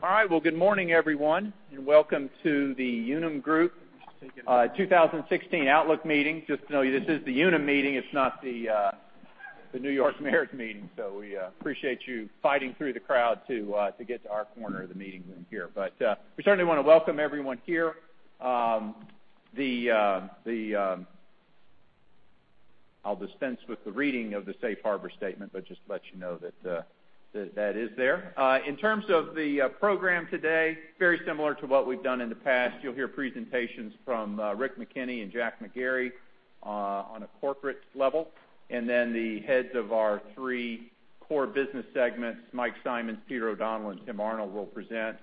All right. Well, good morning everyone, and welcome to the Unum Group 2016 Outlook Meeting. Just to know you, this is the Unum meeting, it's not the New York Mayor's meeting. We appreciate you fighting through the crowd to get to our corner of the meeting room here. We certainly want to welcome everyone here. I'll dispense with the reading of the safe harbor statement, but just to let you know that is there. In terms of the program today, very similar to what we've done in the past. You'll hear presentations from Rick McKenney and Jack McGarry, on a corporate level. The heads of our three core business segments, Mike Simonds, Peter O'Donnell, and Tim Arnold will present.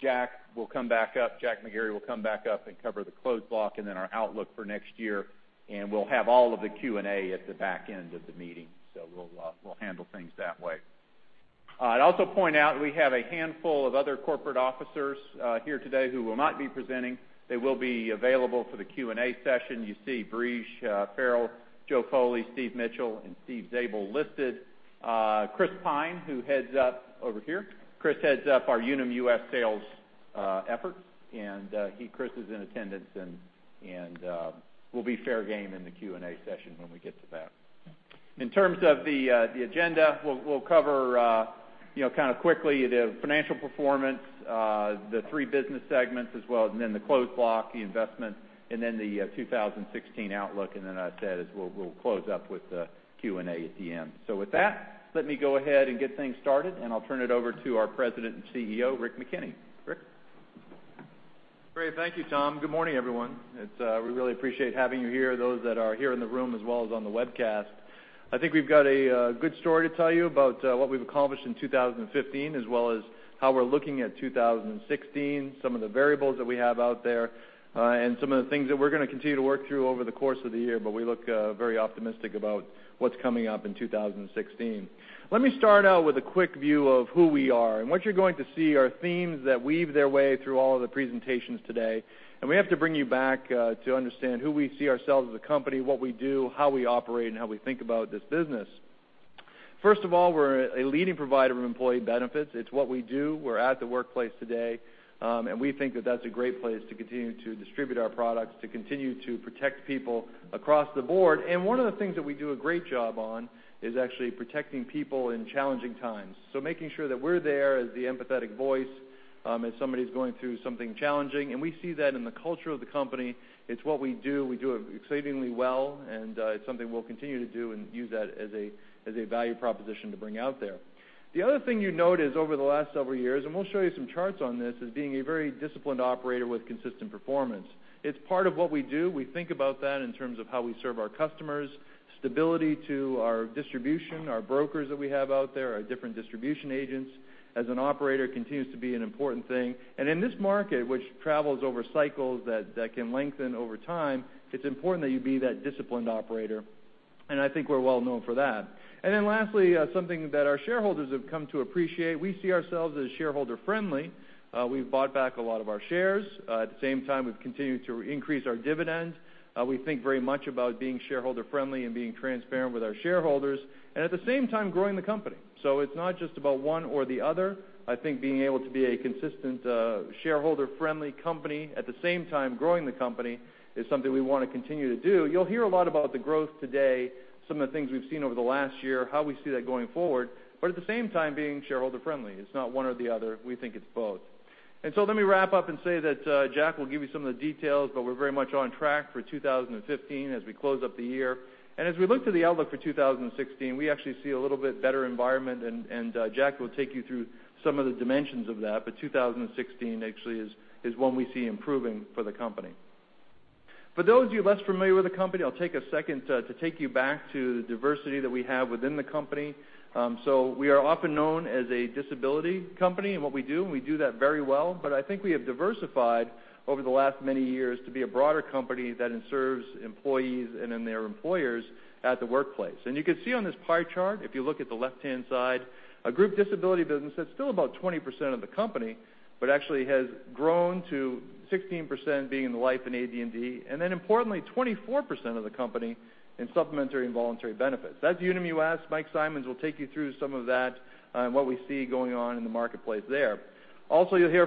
Jack McGarry will come back up and cover the closed block, then our outlook for next year. We'll have all of the Q&A at the back end of the meeting. We'll handle things that way. I'd also point out we have a handful of other corporate officers here today who will not be presenting. They will be available for the Q&A session. You see Breege Farrell, Joe Foley, Steve Mitchell, and Steven Zabel listed. Chris Pyne, over here. Chris heads up our Unum US sales efforts. Chris is in attendance and will be fair game in the Q&A session when we get to that. In terms of the agenda, we'll cover kind of quickly the financial performance, the three business segments as well, then the closed block, the investment, then the 2016 outlook. As I said, we'll close up with the Q&A at the end. With that, let me go ahead and get things started, and I'll turn it over to our president and CEO, Rick McKenney. Rick? Great. Thank you, Tom. Good morning, everyone. We really appreciate having you here, those that are here in the room, as well as on the webcast. I think we've got a good story to tell you about what we've accomplished in 2015, as well as how we're looking at 2016, some of the variables that we have out there, and some of the things that we're going to continue to work through over the course of the year. We look very optimistic about what's coming up in 2016. Let me start out with a quick view of who we are. What you're going to see are themes that weave their way through all of the presentations today. We have to bring you back to understand who we see ourselves as a company, what we do, how we operate, and how we think about this business. First of all, we're a leading provider of employee benefits. It's what we do. We're at the workplace today. We think that that's a great place to continue to distribute our products, to continue to protect people across the board. One of the things that we do a great job on is actually protecting people in challenging times. Making sure that we're there as the empathetic voice, if somebody's going through something challenging. We see that in the culture of the company. It's what we do. We do it exceedingly well, and it's something we'll continue to do and use that as a value proposition to bring out there. The other thing you notice over the last several years, and we'll show you some charts on this, is being a very disciplined operator with consistent performance. It's part of what we do. We think about that in terms of how we serve our customers, stability to our distribution, our brokers that we have out there, our different distribution agents. As an operator, it continues to be an important thing. In this market, which travels over cycles that can lengthen over time, it's important that you be that disciplined operator. I think we're well-known for that. Lastly, something that our shareholders have come to appreciate. We see ourselves as shareholder friendly. We've bought back a lot of our shares. At the same time, we've continued to increase our dividend. We think very much about being shareholder friendly and being transparent with our shareholders, and at the same time growing the company. It's not just about one or the other. I think being able to be a consistent shareholder friendly company, at the same time growing the company, is something we want to continue to do. You'll hear a lot about the growth today, some of the things we've seen over the last year, how we see that going forward, but at the same time being shareholder friendly. It's not one or the other. We think it's both. Let me wrap up and say that Jack will give you some of the details, but we're very much on track for 2015 as we close up the year. As we look to the outlook for 2016, we actually see a little bit better environment and Jack will take you through some of the dimensions of that. 2016 actually is one we see improving for the company. For those of you less familiar with the company, I'll take a second to take you back to the diversity that we have within the company. We are often known as a disability company and what we do, and we do that very well. I think we have diversified over the last many years to be a broader company that serves employees and then their employers at the workplace. You can see on this pie chart, if you look at the left-hand side, a group disability business that's still about 20% of the company, but actually has grown to 16% being in life and AD&D, and then importantly, 24% of the company in supplementary and voluntary benefits. That's Unum US. Mike Simonds will take you through some of that and what we see going on in the marketplace there. You'll hear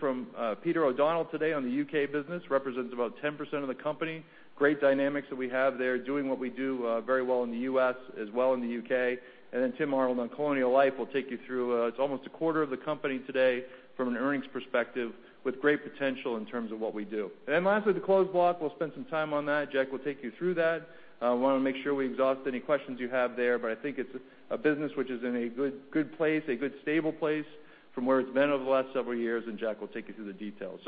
from Peter O'Donnell today on the U.K. business. It represents about 10% of the company. Great dynamics that we have there, doing what we do very well in the U.S., as well in the U.K. Tim Arnold on Colonial Life will take you through, it's almost a quarter of the company today from an earnings perspective with great potential in terms of what we do. Lastly, the closed block. We'll spend some time on that. Jack will take you through that. I want to make sure we exhaust any questions you have there, but I think it's a business which is in a good place, a good stable place from where it's been over the last several years, and Jack will take you through the details.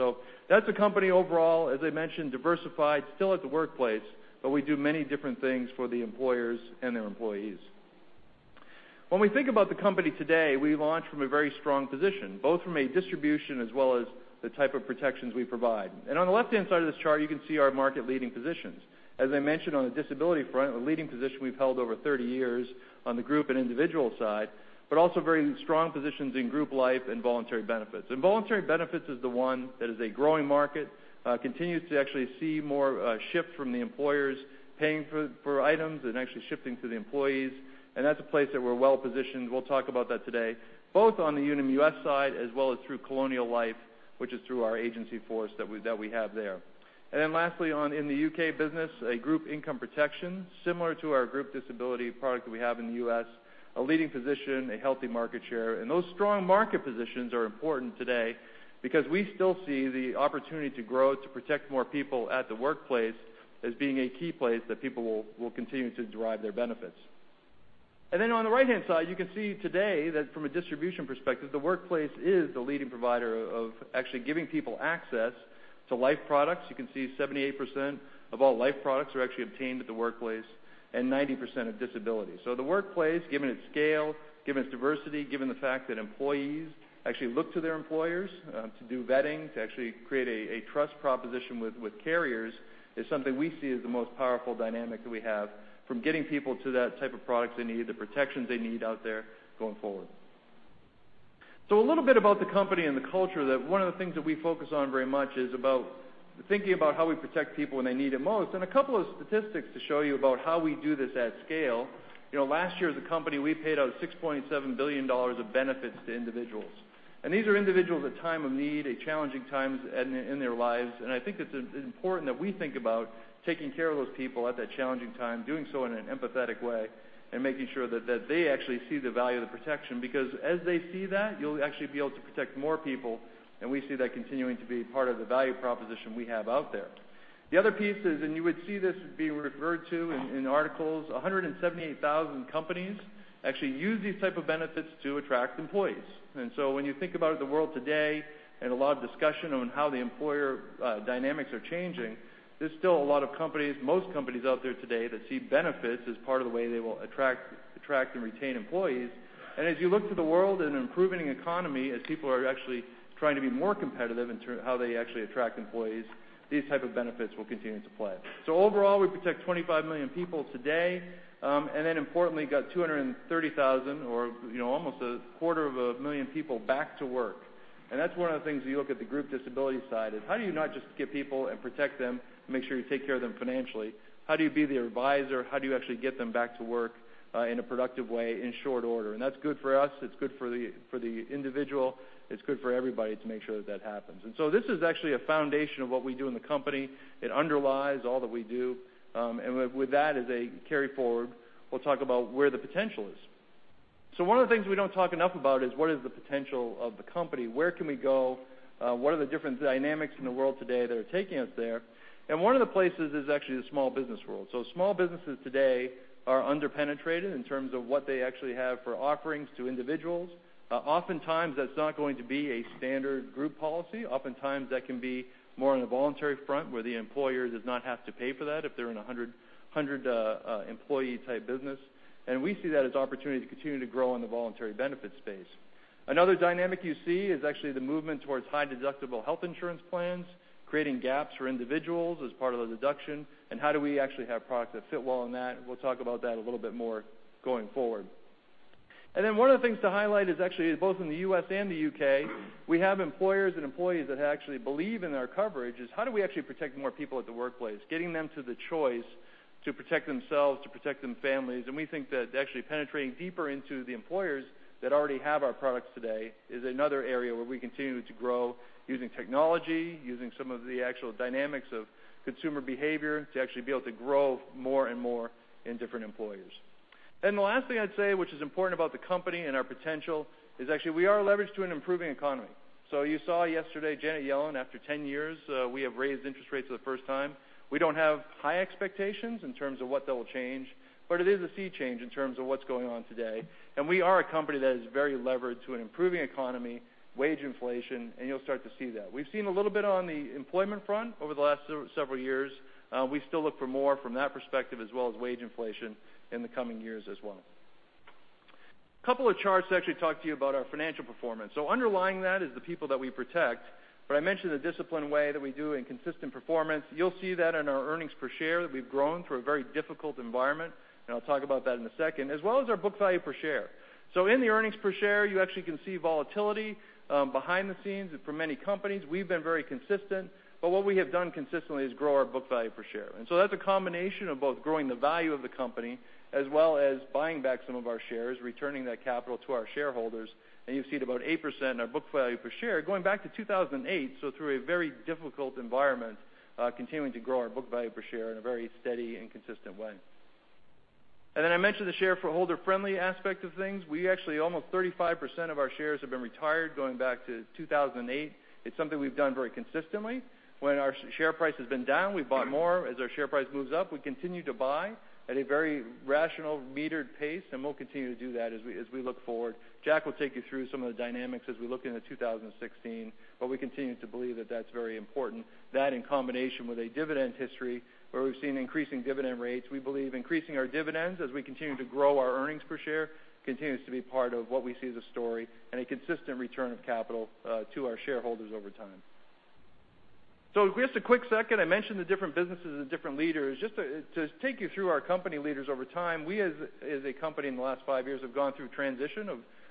That's the company overall. As I mentioned, diversified, still at the workplace, but we do many different things for the employers and their employees. When we think about the company today, we launch from a very strong position, both from a distribution as well as the type of protections we provide. On the left-hand side of this chart, you can see our market leading positions. As I mentioned on the disability front, a leading position we've held over 30 years on the group and individual side, but also very strong positions in group life and voluntary benefits. Voluntary benefits is the one that is a growing market. Continues to actually see more shift from the employers paying for items and actually shifting to the employees. That's a place that we're well-positioned. We'll talk about that today, both on the Unum US side as well as through Colonial Life which is through our agency force that we have there. Lastly, in the U.K. business, a group income protection, similar to our group disability product that we have in the U.S., a leading position, a healthy market share. Those strong market positions are important today because we still see the opportunity to grow, to protect more people at the workplace as being a key place that people will continue to derive their benefits. On the right-hand side, you can see today that from a distribution perspective, the workplace is the leading provider of actually giving people access to life products. You can see 78% of all life products are actually obtained at the workplace and 90% of disability. The workplace, given its scale, given its diversity, given the fact that employees actually look to their employers to do vetting, to actually create a trust proposition with carriers, is something we see as the most powerful dynamic that we have from getting people to that type of product they need, the protections they need out there going forward. A little bit about the company and the culture that one of the things that we focus on very much is about thinking about how we protect people when they need it most, and a couple of statistics to show you about how we do this at scale. Last year as a company, we paid out $6.7 billion of benefits to individuals. These are individuals at a time of need, at challenging times in their lives. I think it's important that we think about taking care of those people at that challenging time, doing so in an empathetic way and making sure that they actually see the value of the protection, because as they see that, you'll actually be able to protect more people, and we see that continuing to be part of the value proposition we have out there. The other piece is, you would see this being referred to in articles, 178,000 companies actually use these type of benefits to attract employees. When you think about the world today and a lot of discussion on how the employer dynamics are changing, there's still a lot of companies, most companies out there today that see benefits as part of the way they will attract and retain employees. As you look to the world in an improving economy, as people are actually trying to be more competitive in how they actually attract employees, these type of benefits will continue to play. Overall, we protect 25 million people today. Importantly, got 230,000 or almost a quarter of a million people back to work. That's one of the things when you look at the group disability side is how do you not just get people and protect them, make sure you take care of them financially, how do you be their advisor? How do you actually get them back to work in a productive way in short order? That's good for us. It's good for the individual. It's good for everybody to make sure that that happens. This is actually a foundation of what we do in the company. It underlies all that we do. With that as a carry forward, we'll talk about where the potential is. One of the things we don't talk enough about is what is the potential of the company? Where can we go? What are the different dynamics in the world today that are taking us there? One of the places is actually the small business world. Small businesses today are under-penetrated in terms of what they actually have for offerings to individuals. Oftentimes, that's not going to be a standard group policy. Oftentimes, that can be more on the voluntary front where the employer does not have to pay for that if they're in a 100-employee type business. We see that as opportunity to continue to grow in the voluntary benefit space. Another dynamic you see is actually the movement towards high deductible health insurance plans, creating gaps for individuals as part of the deduction, and how do we actually have products that fit well in that? We'll talk about that a little bit more going forward. One of the things to highlight is actually both in the U.S. and the U.K., we have employers and employees that actually believe in our coverage, is how do we actually protect more people at the workplace? Getting them to the choice to protect themselves, to protect their families. We think that actually penetrating deeper into the employers that already have our products today is another area where we continue to grow using technology, using some of the actual dynamics of consumer behavior to actually be able to grow more and more in different employers. The last thing I'd say, which is important about the company and our potential, is actually we are leveraged to an improving economy. You saw yesterday, Janet Yellen, after 10 years, we have raised interest rates for the first time. We don't have high expectations in terms of what that will change, but it is a sea change in terms of what's going on today. We are a company that is very levered to an improving economy, wage inflation, and you'll start to see that. We've seen a little bit on the employment front over the last several years. We still look for more from that perspective as well as wage inflation in the coming years as well. Couple of charts to actually talk to you about our financial performance. Underlying that is the people that we protect, but I mentioned the disciplined way that we do in consistent performance. You'll see that in our earnings per share that we've grown through a very difficult environment, and I'll talk about that in a second, as well as our book value per share. In the earnings per share, you actually can see volatility behind the scenes for many companies. We've been very consistent, but what we have done consistently is grow our book value per share. That's a combination of both growing the value of the company as well as buying back some of our shares, returning that capital to our shareholders. You'll see it about 8% in our book value per share going back to 2008, so through a very difficult environment, continuing to grow our book value per share in a very steady and consistent way. I mentioned the shareholder-friendly aspect of things. We actually almost 35% of our shares have been retired going back to 2008. It's something we've done very consistently. When our share price has been down, we've bought more. As our share price moves up, we continue to buy at a very rational, metered pace, and we'll continue to do that as we look forward. Jack will take you through some of the dynamics as we look into 2016, but we continue to believe that that's very important. That in combination with a dividend history where we've seen increasing dividend rates. We believe increasing our dividends as we continue to grow our earnings per share continues to be part of what we see as a story and a consistent return of capital to our shareholders over time. Just a quick second, I mentioned the different businesses and different leaders. Just to take you through our company leaders over time. We as a company in the last five years have gone through a transition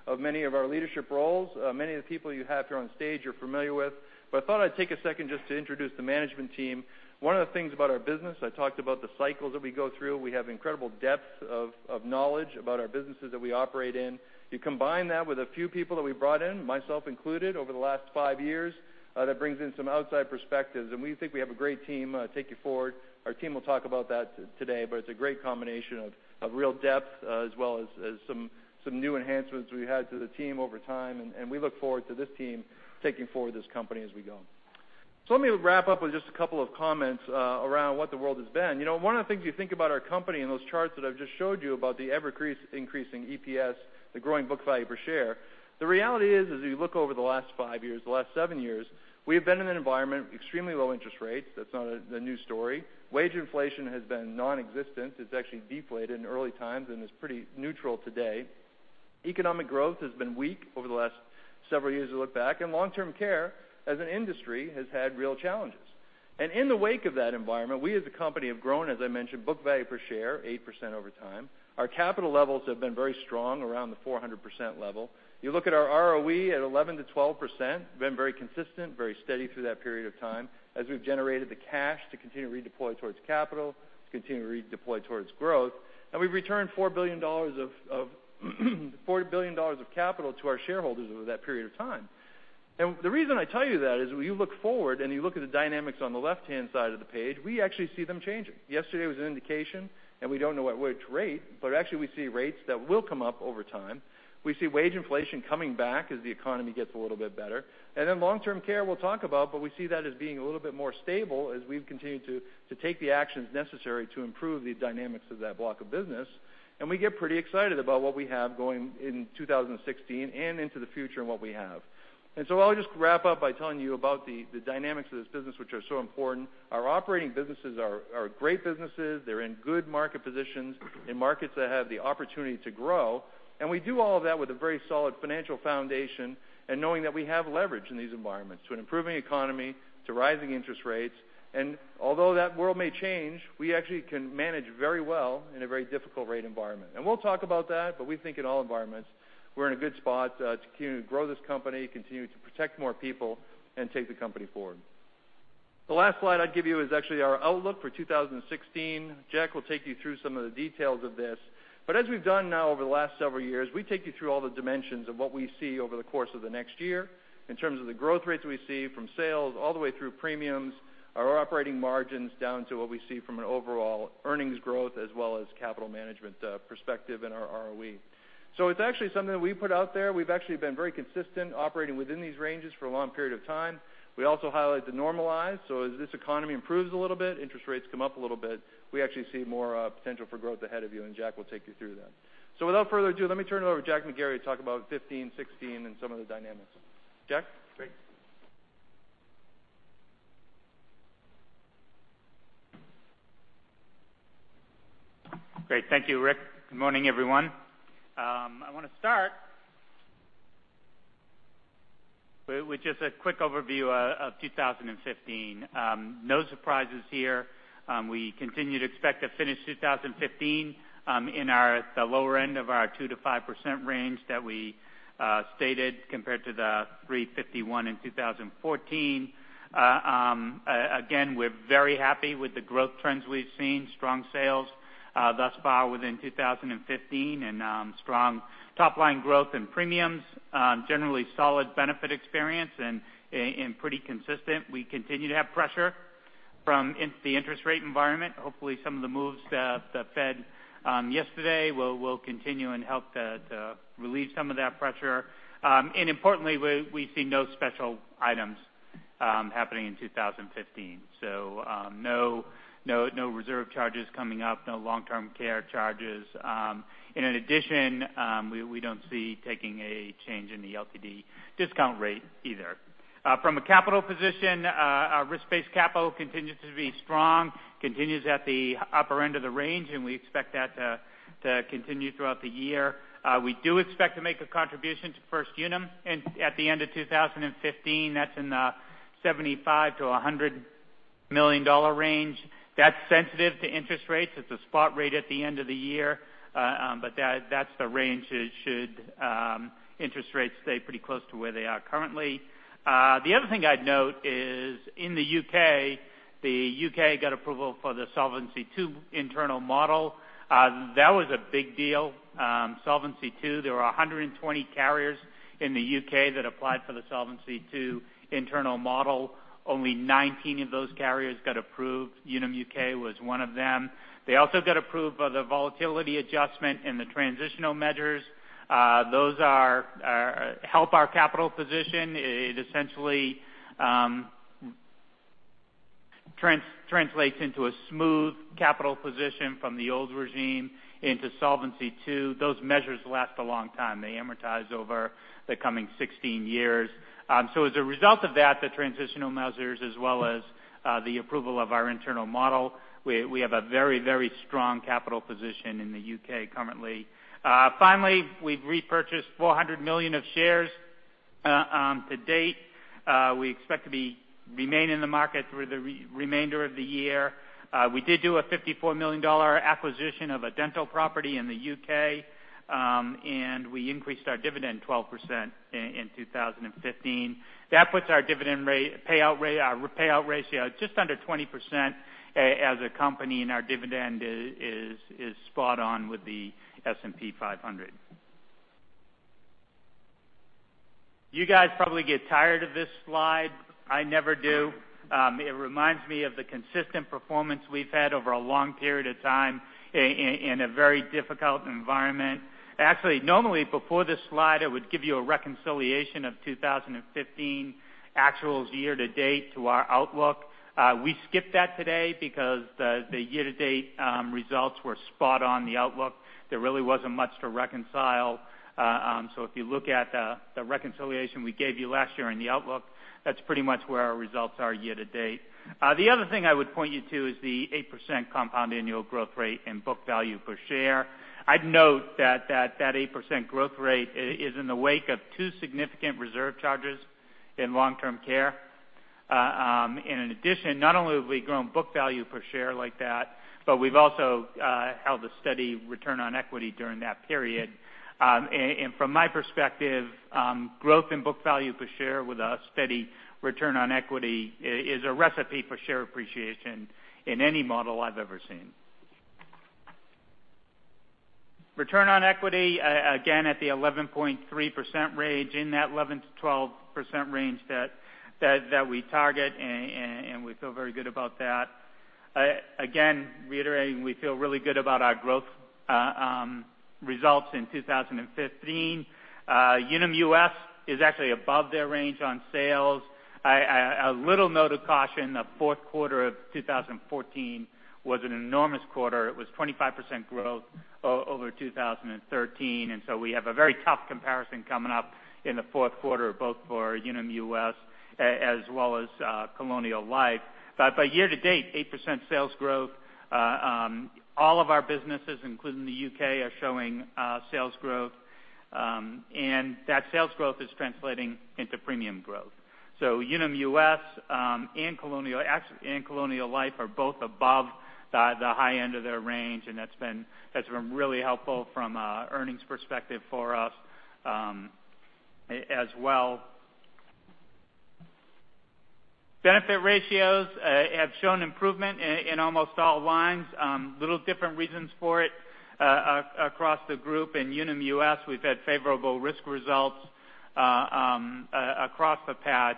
of many of our leadership roles. Many of the people you have here on stage you're familiar with, but I thought I'd take a second just to introduce the management team. One of the things about our business, I talked about the cycles that we go through. We have incredible depth of knowledge about our businesses that we operate in. You combine that with a few people that we brought in, myself included, over the last 5 years, that brings in some outside perspectives, and we think we have a great team to take you forward. Our team will talk about that today, but it's a great combination of real depth as well as some new enhancements we've had to the team over time, and we look forward to this team taking forward this company as we go. Let me wrap up with just a couple of comments around what the world has been. One of the things you think about our company and those charts that I've just showed you about the ever-increasing EPS, the growing book value per share. The reality is, as you look over the last 5 years, the last 7 years, we have been in an environment extremely low interest rates. That's not a new story. Wage inflation has been non-existent. It's actually deflated in early times and is pretty neutral today. Economic growth has been weak over the last several years you look back. Long-term care as an industry has had real challenges. In the wake of that environment, we as a company have grown, as I mentioned, book value per share 8% over time. Our capital levels have been very strong around the 400% level. You look at our ROE at 11%-12%, been very consistent, very steady through that period of time as we've generated the cash to continue to redeploy towards capital, to continue to redeploy towards growth. We've returned $4 billion of capital to our shareholders over that period of time. The reason I tell you that is when you look forward and you look at the dynamics on the left-hand side of the page, we actually see them changing. Yesterday was an indication, and we don't know at which rate, but actually we see rates that will come up over time. We see wage inflation coming back as the economy gets a little bit better. Long-term care we'll talk about, but we see that as being a little bit more stable as we've continued to take the actions necessary to improve the dynamics of that block of business. We get pretty excited about what we have going in 2016 and into the future and what we have. I'll just wrap up by telling you about the dynamics of this business, which are so important. Our operating businesses are great businesses. They're in good market positions, in markets that have the opportunity to grow. We do all of that with a very solid financial foundation and knowing that we have leverage in these environments to an improving economy, to rising interest rates. Although that world may change, we actually can manage very well in a very difficult rate environment. We'll talk about that, but we think in all environments we're in a good spot to continue to grow this company, continue to protect more people and take the company forward. The last slide I'd give you is actually our outlook for 2016. Jack will take you through some of the details of this. As we've done now over the last several years, we take you through all the dimensions of what we see over the course of the next year in terms of the growth rates we see from sales, all the way through premiums, our operating margins, down to what we see from an overall earnings growth as well as capital management perspective in our ROE. It's actually something that we put out there. We've actually been very consistent operating within these ranges for a long period of time. We also highlight the normalized, as this economy improves a little bit, interest rates come up a little bit. We actually see more potential for growth ahead of you, and Jack will take you through that. Without further ado, let me turn it over to Jack McGarry to talk about 2015, 2016, and some of the dynamics. Jack? Great. Thank you, Rick. Good morning, everyone. I want to start with just a quick overview of 2015. No surprises here. We continue to expect to finish 2015 in the lower end of our 2%-5% range that we stated compared to the 351 in 2014. Again, we're very happy with the growth trends we've seen, strong sales thus far within 2015, and strong top-line growth in premiums. Generally solid benefit experience and pretty consistent. We continue to have pressure from the interest rate environment. Hopefully, some of the moves the Fed yesterday will continue and help to relieve some of that pressure. Importantly, we see no special items happening in 2015. No reserve charges coming up, no long-term care charges. In addition, we don't see taking a change in the LTD discount rate either. From a capital position, our risk-based capital continues to be strong, continues at the upper end of the range, and we expect that to continue throughout the year. We do expect to make a contribution to First Unum at the end of 2015. That's in the $75 million-$100 million range. That's sensitive to interest rates. It's a spot rate at the end of the year. That's the range should interest rates stay pretty close to where they are currently. The other thing I'd note is in the U.K., the U.K. got approval for the Solvency II internal model. That was a big deal. Solvency II, there were 120 carriers in the U.K. that applied for the Solvency II internal model. Only 19 of those carriers got approved. Unum UK was one of them. They also got approved for the volatility adjustment and the transitional measures. Those help our capital position. It essentially translates into a smooth capital position from the old regime into Solvency II. Those measures last a long time. They amortize over the coming 16 years. As a result of that, the transitional measures as well as the approval of our internal model, we have a very strong capital position in the U.K. currently. Finally, we've repurchased 400 million shares. To date, we expect to remain in the market through the remainder of the year. We did do a $54 million acquisition of a dental property in the U.K., and we increased our dividend 12% in 2015. That puts our dividend payout ratio just under 20% as a company, and our dividend is spot on with the S&P 500. You guys probably get tired of this slide. I never do. It reminds me of the consistent performance we've had over a long period of time in a very difficult environment. Actually, normally before this slide, I would give you a reconciliation of 2015 actuals year-to-date to our outlook. We skipped that today because the year-to-date results were spot on the outlook. There really wasn't much to reconcile. If you look at the reconciliation we gave you last year in the outlook, that's pretty much where our results are year-to-date. The other thing I would point you to is the 8% compound annual growth rate and book value per share. I'd note that that 8% growth rate is in the wake of two significant reserve charges in long-term care. In addition, not only have we grown book value per share like that, but we've also held a steady return on equity during that period. From my perspective, growth in book value per share with a steady return on equity is a recipe for share appreciation in any model I've ever seen. Return on equity, again, at the 11.3% range, in that 11%-12% range that we target, we feel very good about that. Again, reiterating, we feel really good about our growth results in 2015. Unum US is actually above their range on sales. A little note of caution, the fourth quarter of 2014 was an enormous quarter. It was 25% growth over 2013, we have a very tough comparison coming up in the fourth quarter, both for Unum US as well as Colonial Life. Year-to-date, 8% sales growth. All of our businesses, including the U.K., are showing sales growth. That sales growth is translating into premium growth. Unum US and Colonial Life are both above the high end of their range, that's been really helpful from an earnings perspective for us as well. Benefit ratios have shown improvement in almost all lines. Little different reasons for it across the group. In Unum US, we've had favorable risk results across the patch,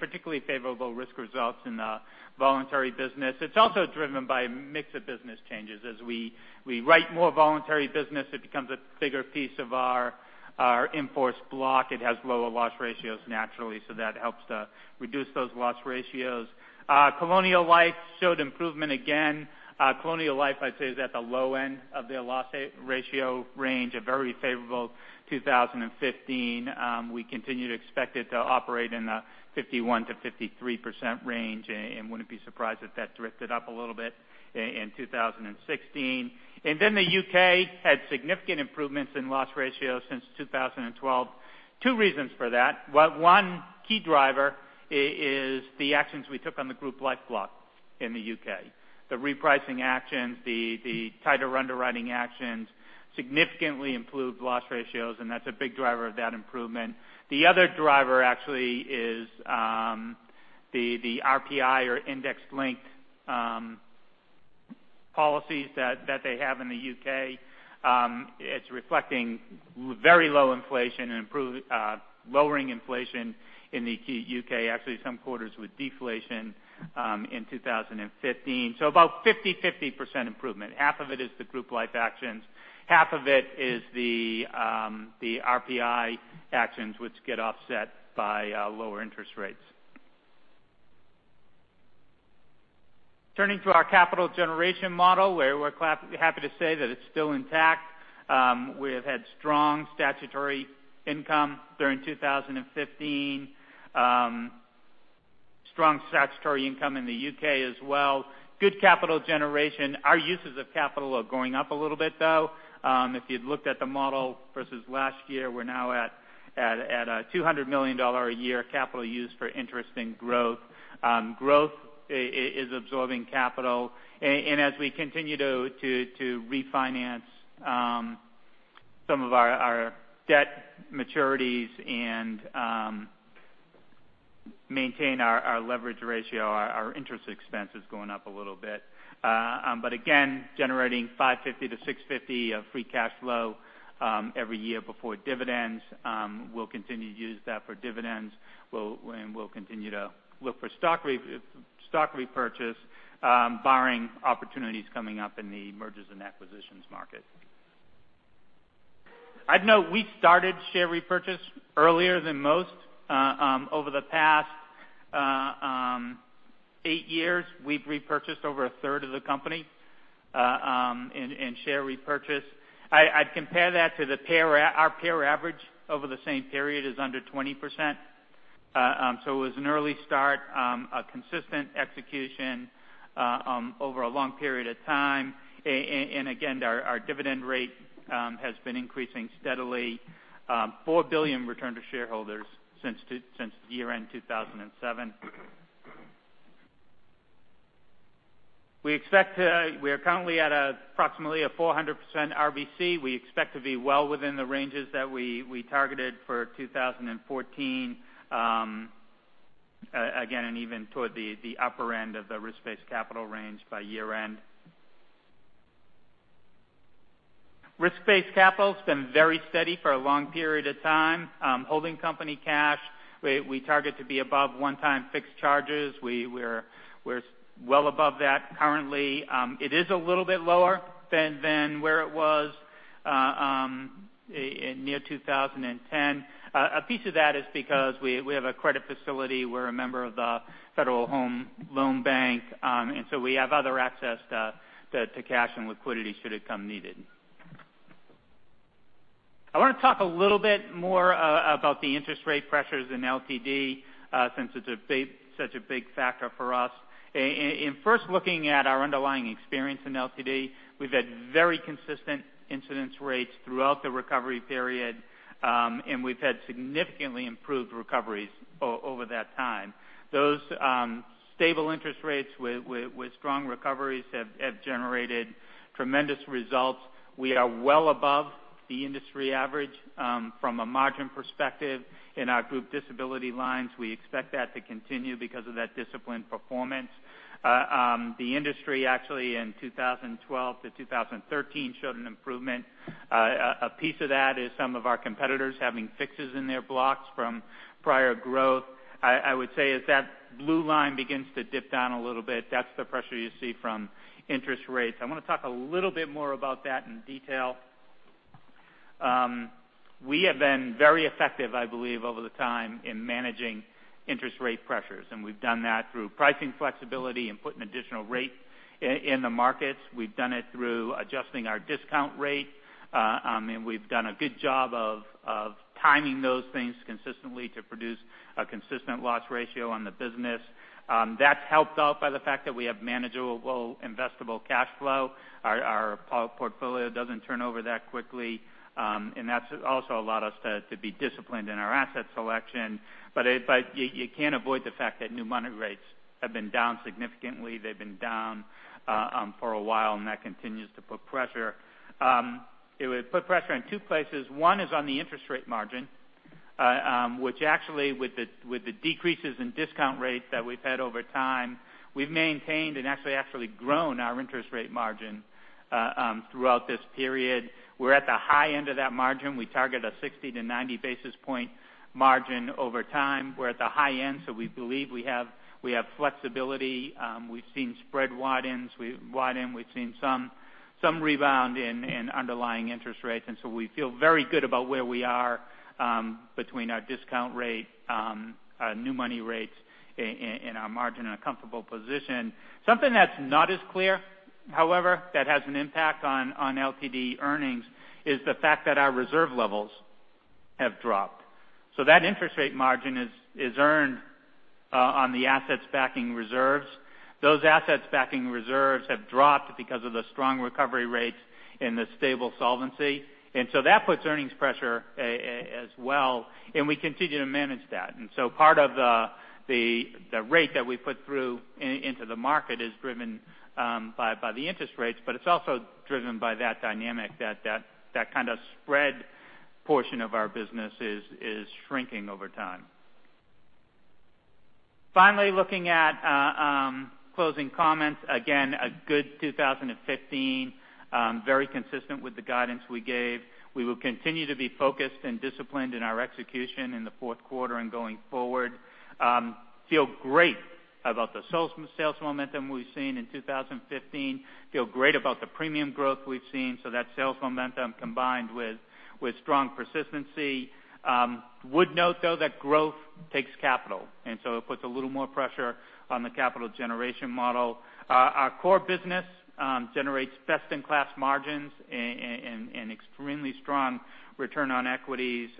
particularly favorable risk results in the voluntary business. It's also driven by a mix of business changes. As we write more voluntary business, it becomes a bigger piece of our in-force block. It has lower loss ratios naturally, that helps to reduce those loss ratios. Colonial Life showed improvement again. Colonial Life, I'd say, is at the low end of their loss ratio range, a very favorable 2015. We continue to expect it to operate in the 51%-53% range wouldn't be surprised if that drifted up a little bit in 2016. The U.K. had significant improvements in loss ratio since 2012. Two reasons for that. One key driver is the actions we took on the group life block in the U.K. The repricing actions, the tighter underwriting actions, significantly improved loss ratios, that's a big driver of that improvement. The other driver actually is the RPI or index-linked policies that they have in the U.K. It's reflecting very low inflation and lowering inflation in the U.K., actually some quarters with deflation, in 2015. About 50/50% improvement. Half of it is the group life actions. Half of it is the RPI actions, which get offset by lower interest rates. Turning to our capital generation model, we're happy to say that it's still intact. We have had strong statutory income during 2015. Strong statutory income in the U.K. as well. Good capital generation. Our uses of capital are going up a little bit, though. If you'd looked at the model versus last year, we're now at a $200 million a year capital use for interest and growth. Growth is absorbing capital. As we continue to refinance some of our debt maturities and maintain our leverage ratio, our interest expense is going up a little bit. Again, generating $550 million to $650 million of free cash flow every year before dividends. We'll continue to use that for dividends, and we'll continue to look for stock repurchase, barring opportunities coming up in the mergers and acquisitions market. I'd note we started share repurchase earlier than most. Over the past eight years, we've repurchased over a third of the company in share repurchase. I'd compare that to our peer average over the same period is under 20%. It was an early start, a consistent execution over a long period of time. Again, our dividend rate has been increasing steadily. $4 billion returned to shareholders since year-end 2007. We are currently at approximately a 400% RBC. We expect to be well within the ranges that we targeted for 2014, again, and even toward the upper end of the risk-based capital range by year-end. Risk-based capital has been very steady for a long period of time. Holding company cash, we target to be above one-time fixed charges. We're well above that currently. It is a little bit lower than where it was near 2010. A piece of that is because we have a credit facility. We're a member of the Federal Home Loan Bank, we have other access to cash and liquidity should it come needed. I want to talk a little bit more about the interest rate pressures in LTD, since it's such a big factor for us. In first looking at our underlying experience in LTD, we've had very consistent incidence rates throughout the recovery period, and we've had significantly improved recoveries over that time. Those stable interest rates with strong recoveries have generated tremendous results. We are well above the industry average from a margin perspective in our group disability lines. We expect that to continue because of that disciplined performance. The industry actually in 2012 to 2013 showed an improvement. A piece of that is some of our competitors having fixes in their blocks from prior growth. I would say as that blue line begins to dip down a little bit, that's the pressure you see from interest rates. I want to talk a little bit more about that in detail. We have been very effective, I believe, over the time in managing interest rate pressures, we've done that through pricing flexibility and putting additional rate in the markets. We've done it through adjusting our discount rate, we've done a good job of timing those things consistently to produce a consistent loss ratio on the business. That's helped out by the fact that we have manageable investable cash flow. Our portfolio doesn't turn over that quickly, that's also allowed us to be disciplined in our asset selection. You can't avoid the fact that new money rates have been down significantly. They've been down for a while, that continues to put pressure. It would put pressure in two places. One is on the interest rate margin, which actually with the decreases in discount rates that we've had over time, we've maintained and actually grown our interest rate margin throughout this period. We're at the high end of that margin. We target a 60 to 90 basis point margin over time. We're at the high end, so we believe we have flexibility. We've seen spread widen. We've seen some rebound in underlying interest rates. We feel very good about where we are between our discount rate, new money rates and our margin in a comfortable position. Something that's not as clear, however, that has an impact on LTD earnings, is the fact that our reserve levels have dropped. That interest rate margin is earned on the assets backing reserves. Those assets backing reserves have dropped because of the strong recovery rates and the stable solvency. That puts earnings pressure as well. We continue to manage that. Part of the rate that we put through into the market is driven by the interest rates, but it's also driven by that dynamic, that kind of spread portion of our business is shrinking over time. Finally, looking at closing comments, again, a good 2015, very consistent with the guidance we gave. We will continue to be focused and disciplined in our execution in the fourth quarter and going forward. Feel great about the sales momentum we've seen in 2015. Feel great about the premium growth we've seen, so that sales momentum combined with strong persistency. Would note, though, that growth takes capital. It puts a little more pressure on the capital generation model. Our core business generates best-in-class margins and extremely strong return on equities.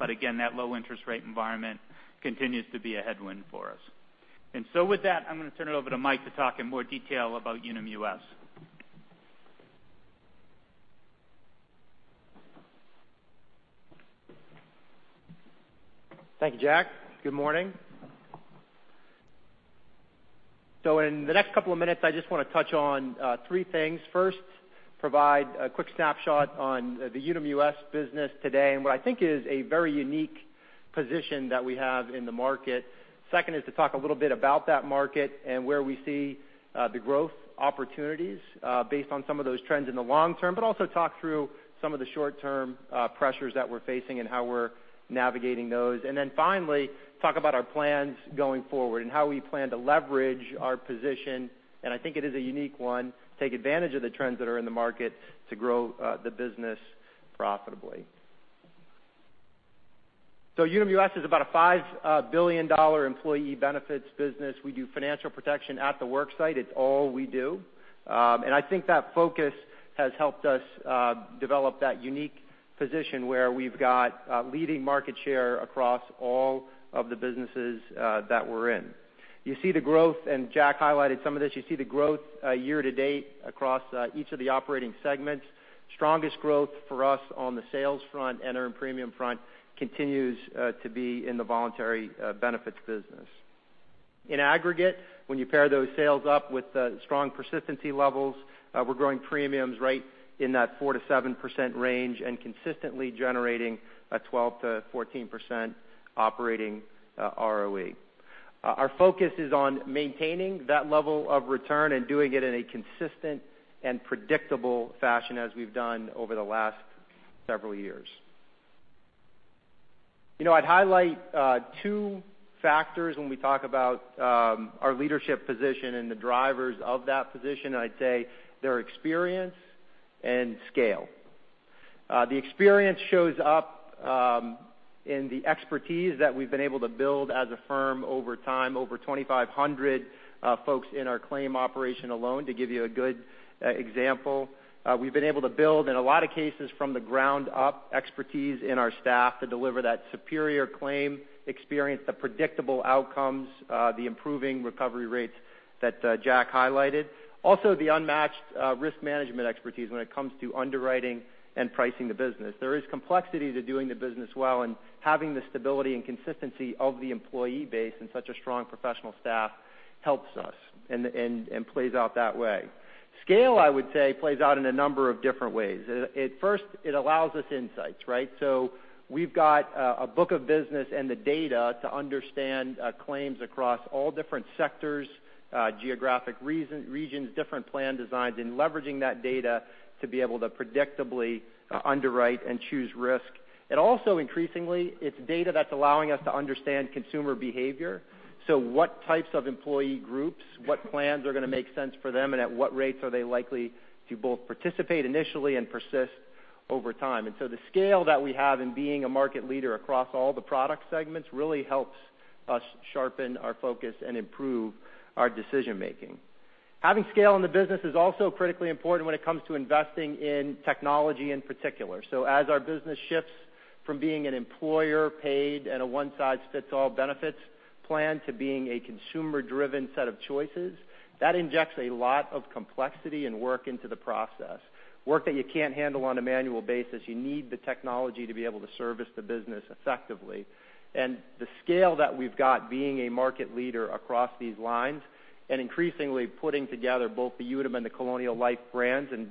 Again, that low interest rate environment continues to be a headwind for us. With that, I'm going to turn it over to Mike to talk in more detail about Unum US. Thank you, Jack. Good morning. In the next couple of minutes, I just want to touch on three things. First, provide a quick snapshot on the Unum US business today and what I think is a very unique position that we have in the market. Second is to talk a little bit about that market and where we see the growth opportunities based on some of those trends in the long term, but also talk through some of the short-term pressures that we're facing and how we're navigating those. Finally, talk about our plans going forward and how we plan to leverage our position, and I think it is a unique one, take advantage of the trends that are in the market to grow the business profitably. Unum US is about a $5 billion employee benefits business. We do financial protection at the work site. It's all we do. I think that focus has helped us develop that unique position where we've got leading market share across all of the businesses that we're in. You see the growth, and Jack highlighted some of this. You see the growth year to date across each of the operating segments. Strongest growth for us on the sales front and earn premium front continues to be in the voluntary benefits business. In aggregate, when you pair those sales up with strong persistency levels, we're growing premiums right in that 4%-7% range and consistently generating a 12%-14% operating ROE. Our focus is on maintaining that level of return and doing it in a consistent and predictable fashion as we've done over the last several years. I'd highlight two factors when we talk about our leadership position and the drivers of that position. I'd say they're experience and scale. The experience shows up in the expertise that we've been able to build as a firm over time, over 2,500 folks in our claim operation alone, to give you a good example. We've been able to build, in a lot of cases from the ground up, expertise in our staff to deliver that superior claim experience, the predictable outcomes, the improving recovery rates that Jack highlighted. Also, the unmatched risk management expertise when it comes to underwriting and pricing the business. There is complexity to doing the business well and having the stability and consistency of the employee base and such a strong professional staff helps us and plays out that way. Scale, I would say, plays out in a number of different ways. At first, it allows us insights. We've got a book of business and the data to understand claims across all different sectors, geographic regions, different plan designs, and leveraging that data to be able to predictably underwrite and choose risk. Also increasingly, it's data that's allowing us to understand consumer behavior. What types of employee groups, what plans are going to make sense for them, and at what rates are they likely to both participate initially and persist over time. The scale that we have in being a market leader across all the product segments really helps us sharpen our focus and improve our decision making. Having scale in the business is also critically important when it comes to investing in technology in particular. As our business shifts from being an employer paid and a one size fits all benefits plan to being a consumer driven set of choices, that injects a lot of complexity and work into the process. Work that you can't handle on a manual basis. You need the technology to be able to service the business effectively. The scale that we've got being a market leader across these lines and increasingly putting together both the Unum and the Colonial Life brands and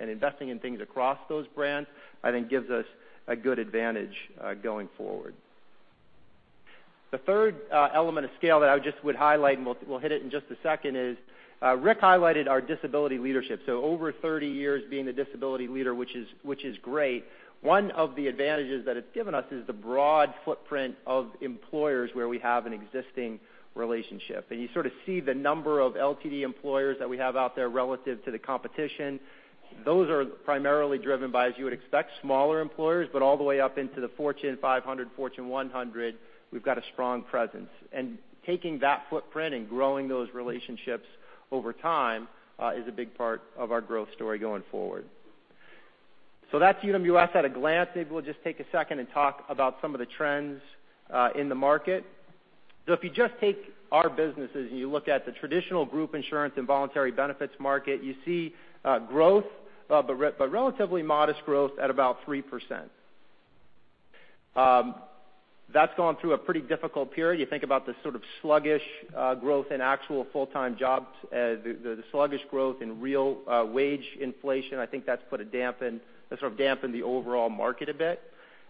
investing in things across those brands, I think gives us a good advantage going forward. The third element of scale that I just would highlight, and we'll hit it in just a second, is Rick highlighted our disability leadership. Over 30 years being a disability leader, which is great. One of the advantages that it's given us is the broad footprint of employers where we have an existing relationship. You sort of see the number of LTD employers that we have out there relative to the competition. Those are primarily driven by, as you would expect, smaller employers, but all the way up into the Fortune 500, Fortune 100, we've got a strong presence. Taking that footprint and growing those relationships over time is a big part of our growth story going forward. That's Unum US at a glance. Maybe we'll just take a second and talk about some of the trends in the market. If you just take our businesses and you look at the traditional group insurance and voluntary benefits market, you see growth, but relatively modest growth at about 3%. That's gone through a pretty difficult period. You think about the sort of sluggish growth in actual full-time jobs, the sluggish growth in real wage inflation. I think that's sort of dampened the overall market a bit.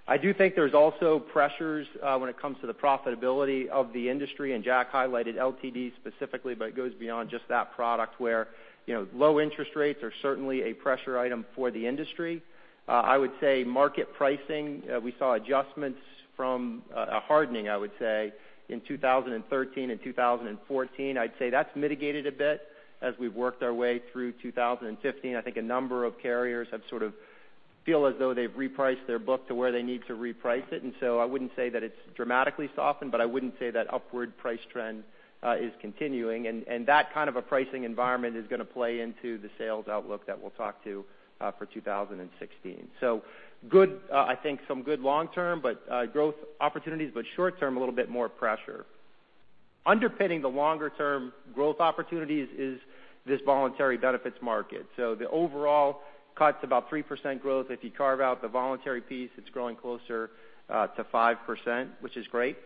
I do think there's also pressures when it comes to the profitability of the industry, Jack highlighted LTD specifically, but it goes beyond just that product where low interest rates are certainly a pressure item for the industry. I would say market pricing, we saw adjustments from a hardening, I would say, in 2013 and 2014. I'd say that's mitigated a bit as we've worked our way through 2015. I think a number of carriers have sort of feel as though they've repriced their book to where they need to reprice it. I wouldn't say that it's dramatically softened, but I wouldn't say that upward price trend is continuing. That kind of a pricing environment is going to play into the sales outlook that we'll talk to for 2016. I think some good long term, but growth opportunities, but short term, a little bit more pressure. Underpinning the longer term growth opportunities is this voluntary benefits market. The overall cut's about 3% growth. If you carve out the voluntary piece, it's growing closer to 5%, which is great.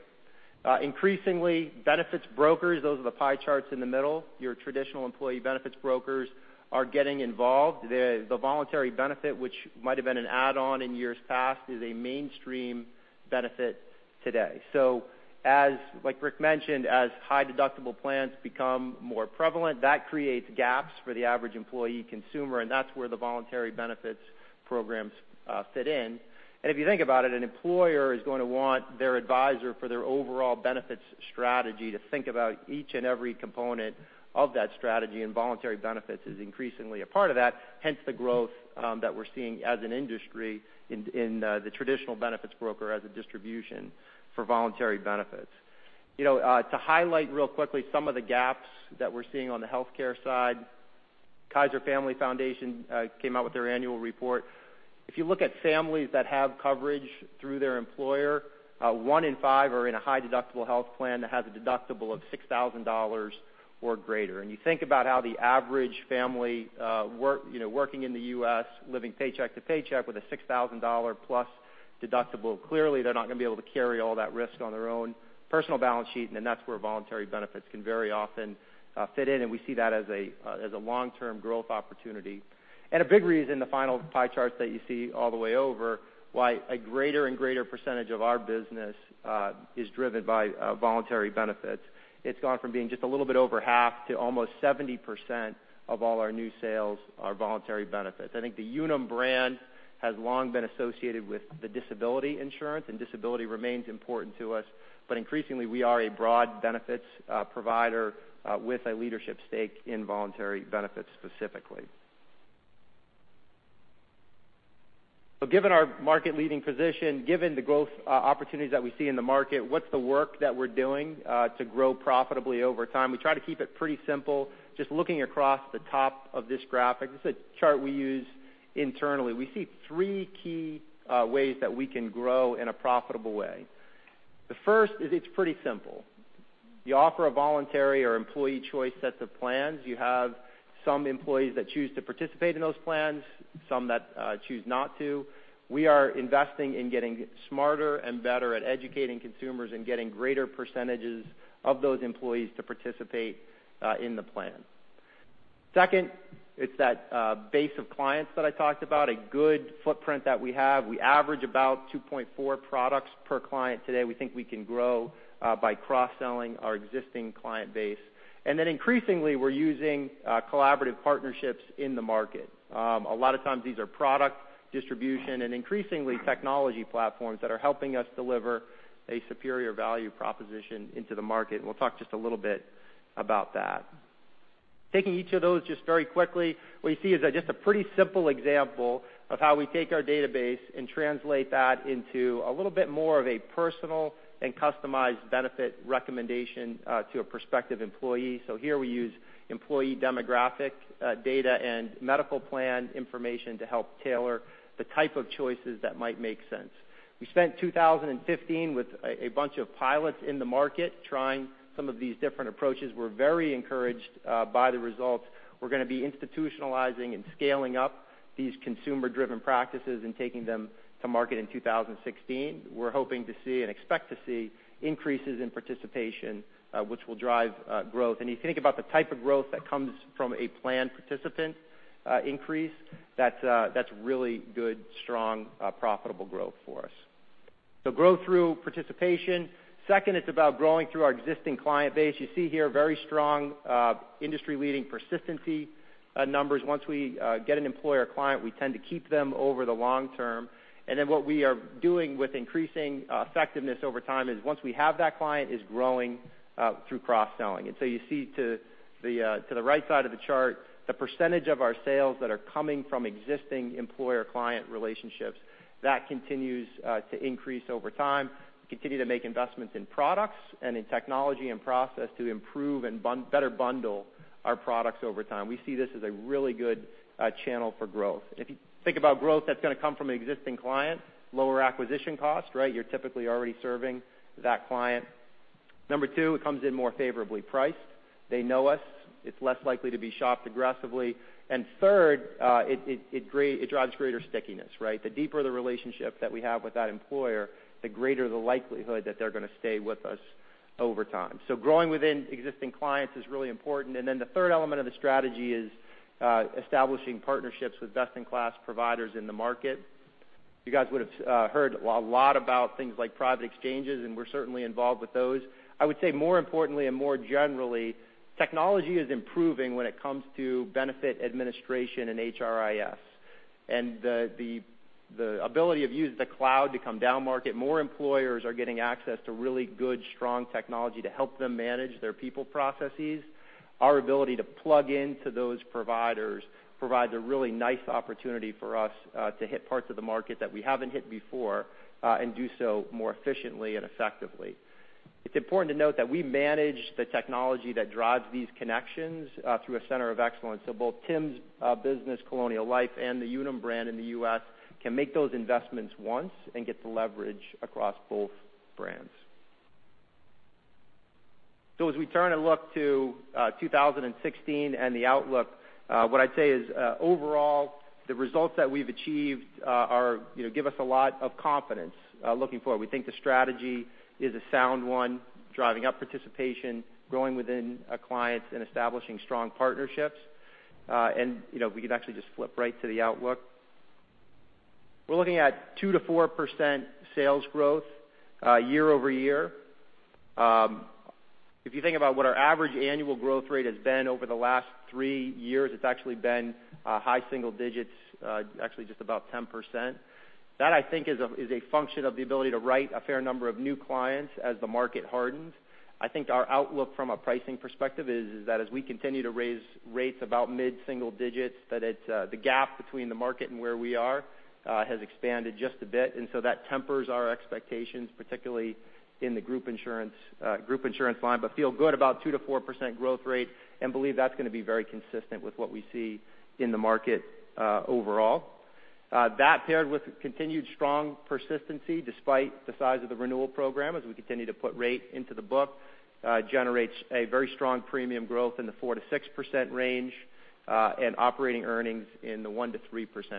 Increasingly, benefits brokers, those are the pie charts in the middle. Your traditional employee benefits brokers are getting involved. The voluntary benefit, which might have been an add-on in years past, is a mainstream benefit today. Like Rick mentioned, as high deductible plans become more prevalent, that creates gaps for the average employee consumer, and that's where the voluntary benefits programs fit in. If you think about it, an employer is going to want their advisor for their overall benefits strategy to think about each and every component of that strategy, and voluntary benefits is increasingly a part of that, hence the growth that we're seeing as an industry in the traditional benefits broker as a distribution for voluntary benefits. To highlight real quickly some of the gaps that we're seeing on the healthcare side Kaiser Family Foundation came out with their annual report. If you look at families that have coverage through their employer, one in five are in a high-deductible health plan that has a deductible of $6,000 or greater. You think about how the average family working in the U.S., living paycheck to paycheck with a $6,000 plus deductible. Clearly, they're not going to be able to carry all that risk on their own personal balance sheet. That's where voluntary benefits can very often fit in, and we see that as a long-term growth opportunity. A big reason, the final pie charts that you see all the way over, why a greater and greater percentage of our business is driven by voluntary benefits. It's gone from being just a little bit over half to almost 70% of all our new sales are voluntary benefits. I think the Unum brand has long been associated with disability insurance, and disability remains important to us. Increasingly, we are a broad benefits provider with a leadership stake in voluntary benefits specifically. Given our market-leading position, given the growth opportunities that we see in the market, what's the work that we're doing to grow profitably over time? We try to keep it pretty simple, just looking across the top of this graphic. This is a chart we use internally. We see three key ways that we can grow in a profitable way. The first is pretty simple. You offer a voluntary or employee choice sets of plans. You have some employees that choose to participate in those plans, some that choose not to. We are investing in getting smarter and better at educating consumers and getting greater percentages of those employees to participate in the plan. Second, it's that base of clients that I talked about, a good footprint that we have. We average about 2.4 products per client today. We think we can grow by cross-selling our existing client base. Increasingly, we're using collaborative partnerships in the market. A lot of times these are product distribution and increasingly technology platforms that are helping us deliver a superior value proposition into the market. We'll talk just a little bit about that. Taking each of those just very quickly, what you see is just a pretty simple example of how we take our database and translate that into a little bit more of a personal and customized benefit recommendation to a prospective employee. Here we use employee demographic data and medical plan information to help tailor the type of choices that might make sense. We spent 2015 with a bunch of pilots in the market trying some of these different approaches. We're very encouraged by the results. We're going to be institutionalizing and scaling up these consumer-driven practices and taking them to market in 2016. We're hoping to see and expect to see increases in participation, which will drive growth. You think about the type of growth that comes from a plan participant increase, that's really good, strong, profitable growth for us. Growth through participation. Second, it's about growing through our existing client base. You see here very strong industry-leading persistency numbers. Once we get an employer client, we tend to keep them over the long term. What we are doing with increasing effectiveness over time is once we have that client, is growing through cross-selling. You see to the right side of the chart, the percentage of our sales that are coming from existing employer-client relationships, that continues to increase over time. We continue to make investments in products and in technology and process to improve and better bundle our products over time. We see this as a really good channel for growth. If you think about growth that's going to come from an existing client, lower acquisition cost, right? You're typically already serving that client. Number two, it comes in more favorably priced. They know us. It's less likely to be shopped aggressively. Third, it drives greater stickiness, right? The deeper the relationship that we have with that employer, the greater the likelihood that they're going to stay with us over time. Growing within existing clients is really important. The third element of the strategy is establishing partnerships with best-in-class providers in the market. You guys would've heard a lot about things like private exchanges. We're certainly involved with those. More importantly and more generally, technology is improving when it comes to benefit administration and HRIS. The ability of use the cloud to come down market. More employers are getting access to really good, strong technology to help them manage their people processes. Our ability to plug into those providers provides a really nice opportunity for us to hit parts of the market that we haven't hit before, and do so more efficiently and effectively. It's important to note that we manage the technology that drives these connections through a center of excellence. Both Tim's business, Colonial Life, and the Unum brand in the U.S. can make those investments once and get the leverage across both brands. As we turn and look to 2016 and the outlook, what I'd say is, overall, the results that we've achieved give us a lot of confidence looking forward. We think the strategy is a sound one, driving up participation, growing within our clients, and establishing strong partnerships. We could actually just flip right to the outlook. We're looking at 2%-4% sales growth year-over-year. If you think about what our average annual growth rate has been over the last three years, it's actually been high single digits, actually just about 10%. That, I think, is a function of the ability to write a fair number of new clients as the market hardens. I think our outlook from a pricing perspective is that as we continue to raise rates about mid-single digits, that the gap between the market and where we are has expanded just a bit. That tempers our expectations, particularly in the group insurance line, but feel good about 2%-4% growth rate and believe that's going to be very consistent with what we see in the market overall. That paired with continued strong persistency despite the size of the renewal program, as we continue to put rate into the book, generates a very strong premium growth in the 4%-6% range, and operating earnings in the 1%-3%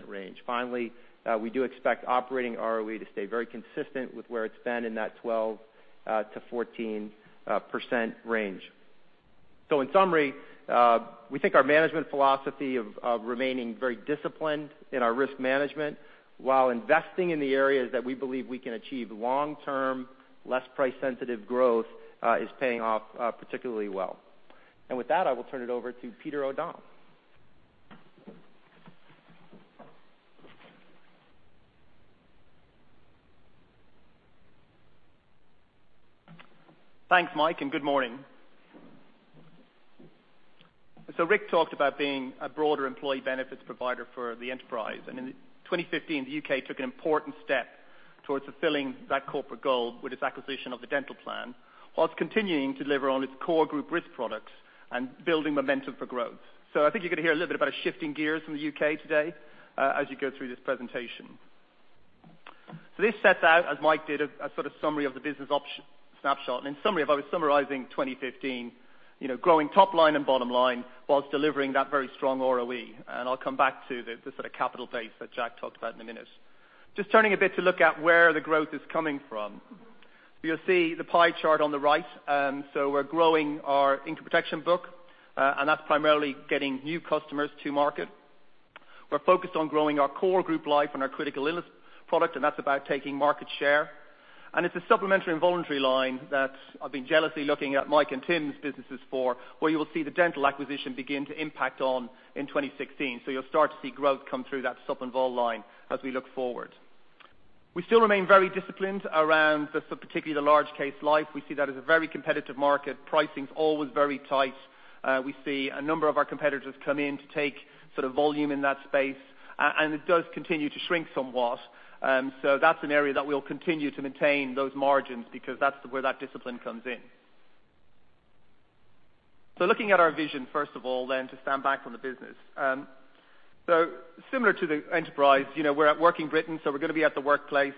range. Finally, we do expect operating ROE to stay very consistent with where it's been in that 12%-14% range. In summary, we think our management philosophy of remaining very disciplined in our risk management while investing in the areas that we believe we can achieve long-term, less price sensitive growth, is paying off particularly well. With that, I will turn it over to Peter O'Donnell. Thanks, Mike, and good morning. Rick talked about being a broader employee benefits provider for the enterprise. In 2015, the U.K. took an important step towards fulfilling that corporate goal with its acquisition of the National Dental Plan, whilst continuing to deliver on its core group risk products and building momentum for growth. I think you're going to hear a little bit about us shifting gears from the U.K. today as you go through this presentation. This sets out, as Mike did, a sort of summary of the business snapshot. In summary, if I was summarizing 2015, growing top line and bottom line whilst delivering that very strong ROE. I'll come back to the sort of capital base that Jack talked about in a minute. Just turning a bit to look at where the growth is coming from. You'll see the pie chart on the right. We're growing our income protection book, that's primarily getting new customers to market. We're focused on growing our core group life and our critical illness product, that's about taking market share. It's a supplementary and voluntary line that I've been jealously looking at Mike and Tim's businesses for, where you will see the National Dental Plan acquisition begin to impact on in 2016. You'll start to see growth come through that supp and vol line as we look forward. We still remain very disciplined around particularly the large case life. We see that as a very competitive market. Pricing's always very tight. We see a number of our competitors come in to take sort of volume in that space, and it does continue to shrink somewhat. That's an area that we'll continue to maintain those margins because that's where that discipline comes in. Looking at our vision, first of all, then to stand back from the business. Similar to the enterprise, we're working Britain, we're going to be at the workplace.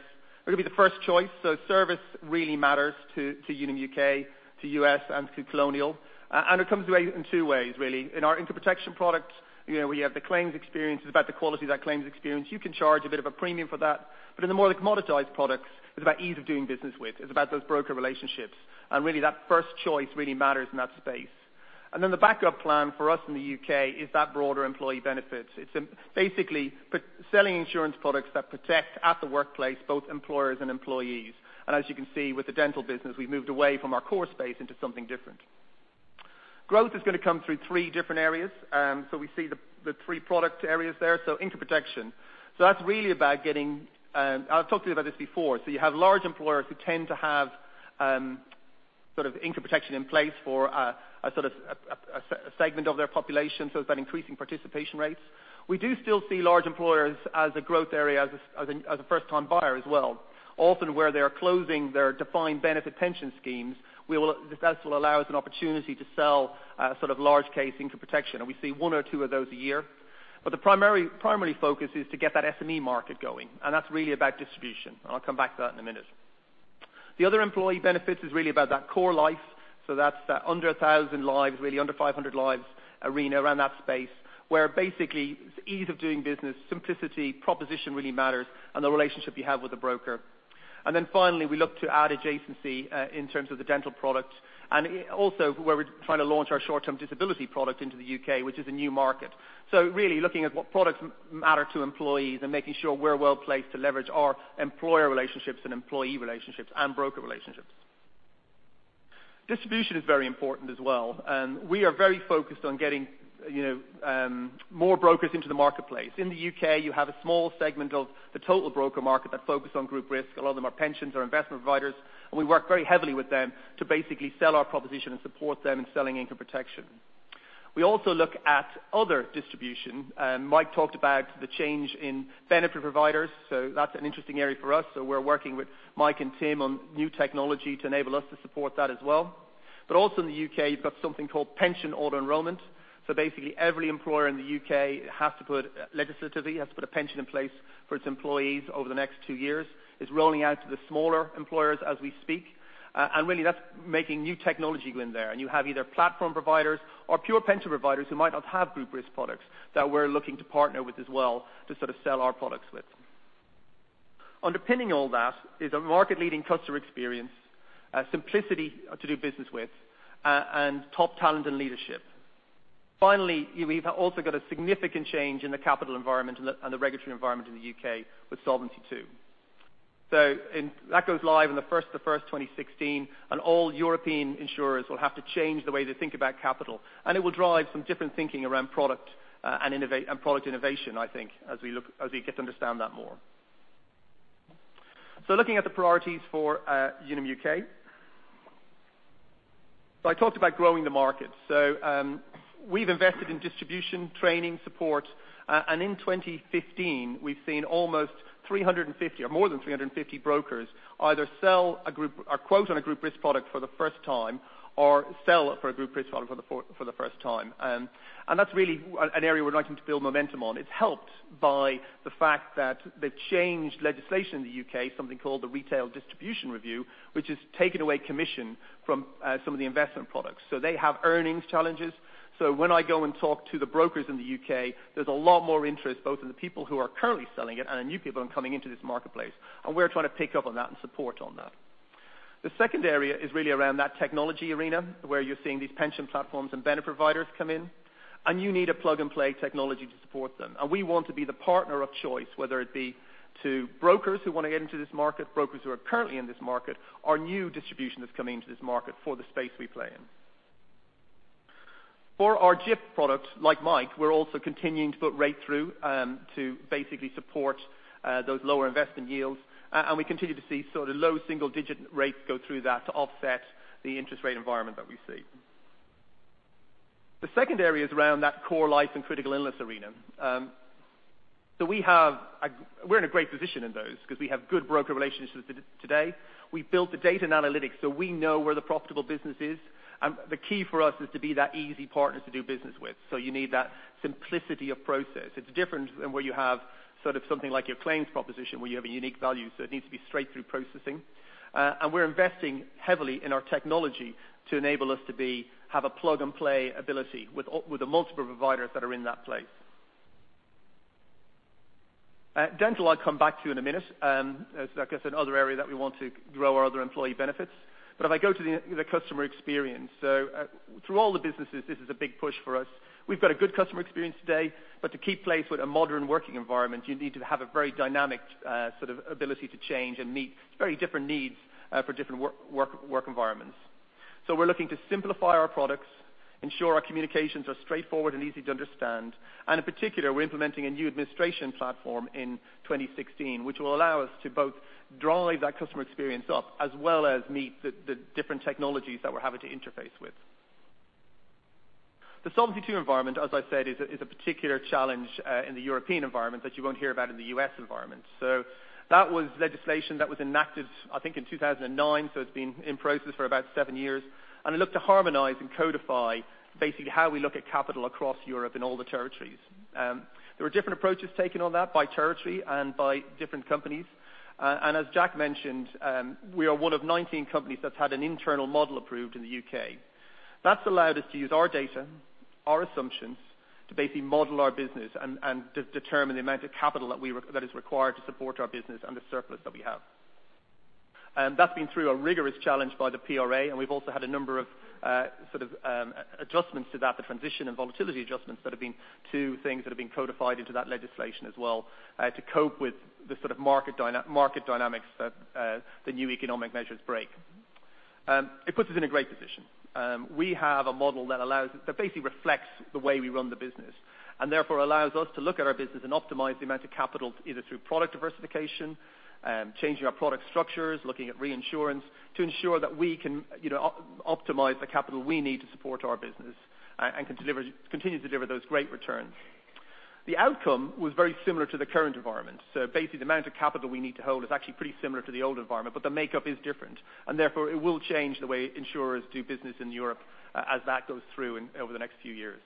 We're going to be the first choice. Service really matters to Unum U.K., Unum US, and Colonial Life. It comes in two ways, really. In our income protection product, we have the claims experience. It's about the quality of that claims experience. You can charge a bit of a premium for that. In the more commoditized products, it's about ease of doing business with. It's about those broker relationships. Really, that first choice really matters in that space. Then the backup plan for us in the U.K. is that broader employee benefits. It's basically selling insurance products that protect at the workplace, both employers and employees. As you can see with the National Dental Plan business, we've moved away from our core space into something different. Growth is going to come through three different areas. We see the three product areas there. Income protection. That's really about I've talked to you about this before. You have large employers who tend to have sort of income protection in place for a segment of their population, so it's about increasing participation rates. We do still see large employers as a growth area as a first time buyer as well. Often where they are closing their Defined Benefit pension schemes, this will allow us an opportunity to sell sort of large case income protection. We see one or two of those a year. The primary focus is to get that SME market going, and that is really about distribution, and I'll come back to that in a minute. The other employee benefits is really about that core life. That is that under 1,000 lives, really under 500 lives arena around that space, where basically it is ease of doing business, simplicity, proposition really matters, and the relationship you have with the broker. Then finally, we look to add adjacency, in terms of the dental product. Also where we are trying to launch our short-term disability product into the U.K., which is a new market. Really looking at what products matter to employees and making sure we are well placed to leverage our employer relationships and employee relationships and broker relationships. Distribution is very important as well. We are very focused on getting more brokers into the marketplace. In the U.K., you have a small segment of the total broker market that focus on group risk. A lot of them are pensions or investment providers, and we work very heavily with them to basically sell our proposition and support them in selling income protection. We also look at other distribution. Mike talked about the change in benefit providers, that is an interesting area for us. We are working with Mike and Tim on new technology to enable us to support that as well. Also in the U.K., you have got something called pension auto-enrolment. Basically every employer in the U.K., legislatively, has to put a pension in place for its employees over the next 2 years. It is rolling out to the smaller employers as we speak. Really that is making new technology go in there. You have either platform providers or pure pension providers who might not have group risk products that we are looking to partner with as well to sort of sell our products with. Underpinning all that is a market leading customer experience, simplicity to do business with, and top talent and leadership. Finally, we have also got a significant change in the capital environment and the regulatory environment in the U.K. with Solvency II. That goes live on the first of the first, 2016, and all European insurers will have to change the way they think about capital. It will drive some different thinking around product and product innovation, I think, as we get to understand that more. Looking at the priorities for Unum UK. I talked about growing the market. We have invested in distribution, training, support. In 2015, we have seen almost 350, or more than 350 brokers either sell a group or quote on a group risk product for the first time, or sell for a group risk product for the first time. That is really an area we are looking to build momentum on. It is helped by the fact that they have changed legislation in the U.K., something called the Retail Distribution Review, which has taken away commission from some of the investment products. They have earnings challenges. When I go and talk to the brokers in the U.K., there is a lot more interest, both in the people who are currently selling it and the new people who are coming into this marketplace. We are trying to pick up on that and support on that. The second area is really around that technology arena where you're seeing these pension platforms and vendor providers come in, and you need a plug-and-play technology to support them. We want to be the partner of choice, whether it be to brokers who want to get into this market, brokers who are currently in this market, or new distribution that's coming into this market for the space we play in. For our GIP product, like Mike, we're also continuing to put rate through to basically support those lower investment yields. We continue to see low single-digit rates go through that to offset the interest rate environment that we see. The second area is around that core life and critical illness arena. We're in a great position in those because we have good broker relationships today. We built the data and analytics, so we know where the profitable business is. The key for us is to be that easy partner to do business with. You need that simplicity of process. It's different than where you have something like your claims proposition, where you have a unique value. It needs to be straight-through processing. We're investing heavily in our technology to enable us to have a plug-and-play ability with the multiple providers that are in that place. Dental, I'll come back to in a minute. It's another area that we want to grow our other employee benefits. If I go to the customer experience. Through all the businesses, this is a big push for us. We've got a good customer experience today, but to keep place with a modern working environment, you need to have a very dynamic ability to change and meet very different needs for different work environments. We're looking to simplify our products, ensure our communications are straightforward and easy to understand. In particular, we're implementing a new administration platform in 2016, which will allow us to both drive that customer experience up as well as meet the different technologies that we're having to interface with. The Solvency II environment, as I said, is a particular challenge in the European environment that you won't hear about in the U.S. environment. That was legislation that was enacted in 2009. It's been in process for about seven years. It looked to harmonize and codify basically how we look at capital across Europe in all the territories. There were different approaches taken on that by territory and by different companies. As Jack mentioned, we are one of 19 companies that's had an internal model approved in the U.K. That's allowed us to use our data, our assumptions, to basically model our business and determine the amount of capital that is required to support our business and the surplus that we have. That's been through a rigorous challenge by the PRA, and we've also had a number of adjustments to that, the transition and volatility adjustments that have been two things that have been codified into that legislation as well to cope with the market dynamics that the new economic measures break. It puts us in a great position. We have a model that basically reflects the way we run the business. Therefore, allows us to look at our business and optimize the amount of capital, either through product diversification, changing our product structures, looking at reinsurance, to ensure that we can optimize the capital we need to support our business and continue to deliver those great returns. The outcome was very similar to the current environment. Basically, the amount of capital we need to hold is actually pretty similar to the old environment, but the makeup is different, and therefore it will change the way insurers do business in Europe as that goes through over the next few years.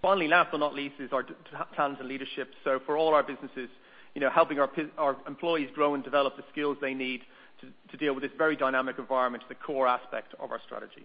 Finally, last but not least, is our talent and leadership. For all our businesses, helping our employees grow and develop the skills they need to deal with this very dynamic environment is the core aspect of our strategy.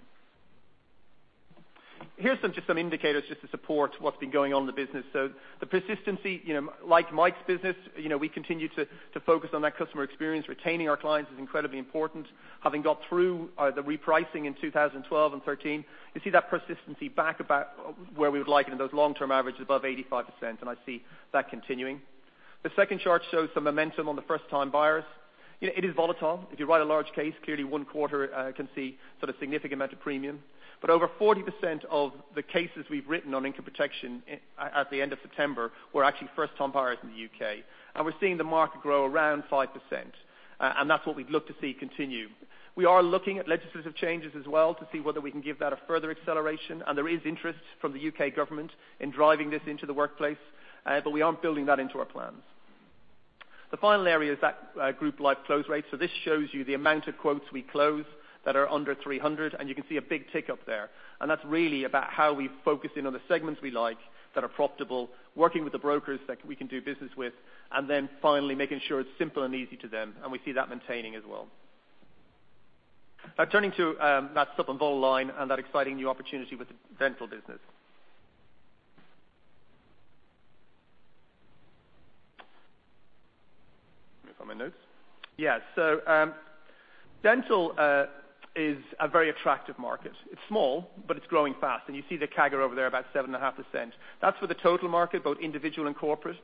Here's some indicators just to support what's been going on in the business. The persistency, like Mike Simonds' business, we continue to focus on that customer experience. Retaining our clients is incredibly important. Having got through the repricing in 2012 and 2013, you see that persistency back about where we would like it in those long term averages above 85%, and I see that continuing. The second chart shows the momentum on the first time buyers. It is volatile. If you write a large case, clearly one quarter can see sort of significant amount of premium. Over 40% of the cases we've written on income protection at the end of September were actually first time buyers in the U.K. We're seeing the market grow around 5%. That's what we'd look to see continue. We are looking at legislative changes as well to see whether we can give that a further acceleration. There is interest from the U.K. government in driving this into the workplace. We aren't building that into our plans. The final area is that group life close rate. This shows you the amount of quotes we close that are under 300. You can see a big tick up there. That's really about how we focus in on the segments we like that are profitable, working with the brokers that we can do business with. Then finally, making sure it's simple and easy to them. We see that maintaining as well. Now turning to that sup and vol line and that exciting new opportunity with the dental business. Let me find my notes. Yeah. Dental is a very attractive market. It's small, but it's growing fast. You see the CAGR over there about 7.5%. That's for the total market, both individual and corporate.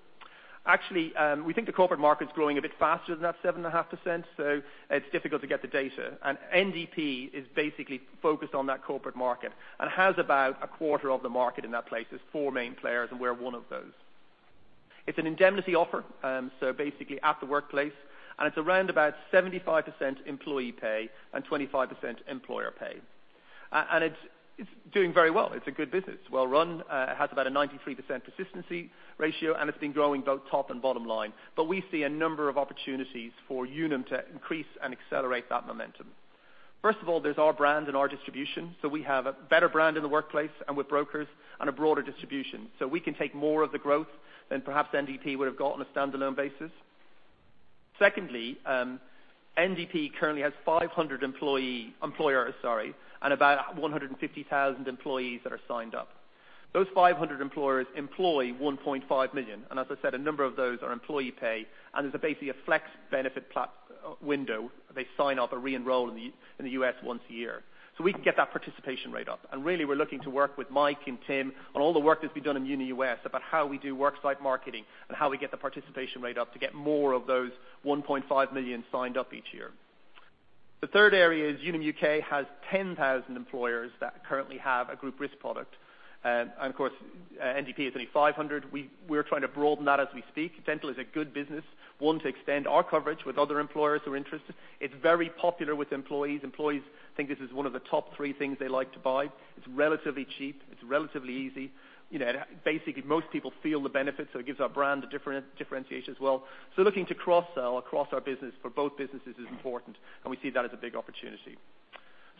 Actually, we think the corporate market is growing a bit faster than that 7.5%, so it's difficult to get the data. NDP is basically focused on that corporate market and has about a quarter of the market in that place. There's four main players and we're one of those. It's an indemnity offer, so basically at the workplace. It's around about 75% employee pay and 25% employer pay. It's doing very well. It's a good business. Well run, has about a 93% persistency ratio. It's been growing both top and bottom line. We see a number of opportunities for Unum to increase and accelerate that momentum. First of all, there's our brand and our distribution. We have a better brand in the workplace and with brokers, and a broader distribution. We can take more of the growth than perhaps NDP would have got on a standalone basis. Secondly, NDP currently has 500 employers and about 150,000 employees that are signed up. Those 500 employers employ 1.5 million, and as I said, a number of those are employee pay, and there's a flex benefit window. They sign up or re-enroll in the U.S. once a year. We can get that participation rate up. We're looking to work with Mike and Tim on all the work that's been done in Unum US about how we do worksite marketing and how we get the participation rate up to get more of those 1.5 million signed up each year. The third area is Unum UK has 10,000 employers that currently have a group risk product. Of course, NDP has only 500. We're trying to broaden that as we speak. Dental is a good business. We want to extend our coverage with other employers who are interested. It's very popular with employees. Employees think this is one of the top three things they like to buy. It's relatively cheap. It's relatively easy. Most people feel the benefits, it gives our brand a differentiation as well. Looking to cross-sell across our business for both businesses is important, and we see that as a big opportunity.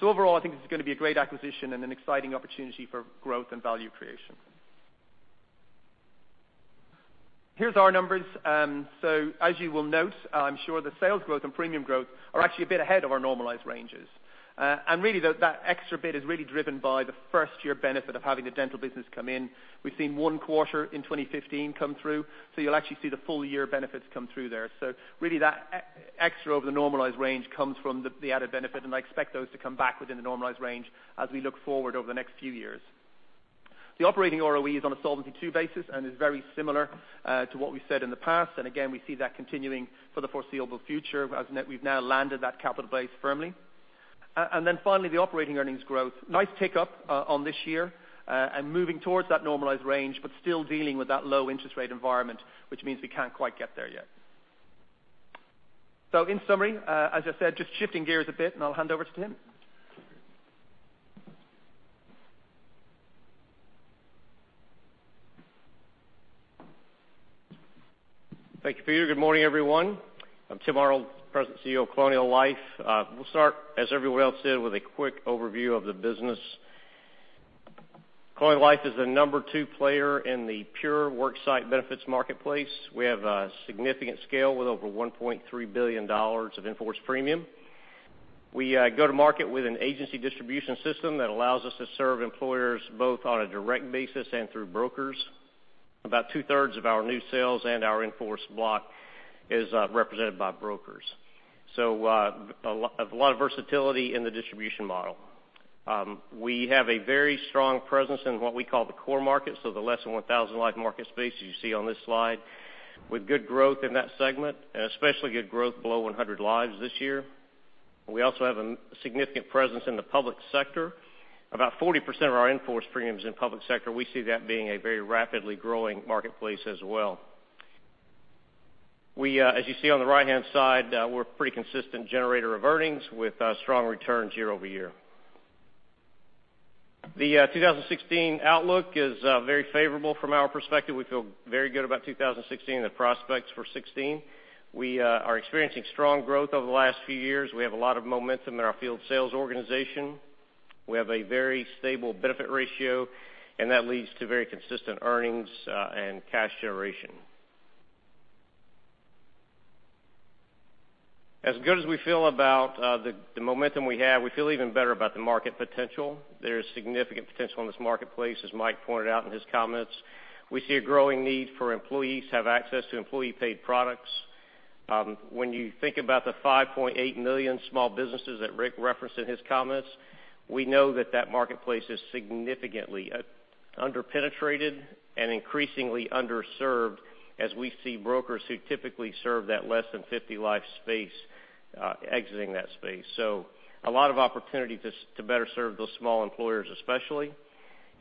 Overall, I think this is going to be a great acquisition and an exciting opportunity for growth and value creation. Here's our numbers. As you will note, I'm sure the sales growth and premium growth are actually a bit ahead of our normalized ranges. Really that extra bit is really driven by the first-year benefit of having the dental business come in. We've seen one quarter in 2015 come through. You'll actually see the full year benefits come through there. Really that extra over the normalized range comes from the added benefit, and I expect those to come back within the normalized range as we look forward over the next few years. The operating ROE is on a Solvency II basis and is very similar to what we've said in the past. Again, we see that continuing for the foreseeable future as we've now landed that capital base firmly. Finally, the operating earnings growth. Nice tick up on this year and moving towards that normalized range, still dealing with that low interest rate environment, which means we can't quite get there yet. In summary, as I said, just shifting gears a bit, and I'll hand over to Tim. Thank you, Peter O'Donnell. Good morning, everyone. I am Tim Arnold, President and Chief Executive Officer of Colonial Life. We will start, as everyone else did, with a quick overview of the business. Colonial Life is the number two player in the pure worksite benefits marketplace. We have a significant scale with over $1.3 billion of in-force premium. We go to market with an agency distribution system that allows us to serve employers both on a direct basis and through brokers. About two-thirds of our new sales and our in-force block is represented by brokers. A lot of versatility in the distribution model. We have a very strong presence in what we call the core market, the less than 1,000 life market space, as you see on this slide, with good growth in that segment, and especially good growth below 100 lives this year. We also have a significant presence in the public sector. About 40% of our in-force premium is in public sector. We see that being a very rapidly growing marketplace as well. As you see on the right-hand side, we are a pretty consistent generator of earnings with strong returns year-over-year. The 2016 outlook is very favorable from our perspective. We feel very good about 2016 and the prospects for 2016. We are experiencing strong growth over the last few years. We have a lot of momentum in our field sales organization. We have a very stable benefit ratio, and that leads to very consistent earnings and cash generation. As good as we feel about the momentum we have, we feel even better about the market potential. There is significant potential in this marketplace, as Mike Simonds pointed out in his comments. We see a growing need for employees to have access to employee paid products. When you think about the 5.8 million small businesses that Rick McKenney referenced in his comments, we know that that marketplace is significantly under-penetrated and increasingly underserved as we see brokers who typically serve that less than 50 life space exiting that space. A lot of opportunity to better serve those small employers, especially.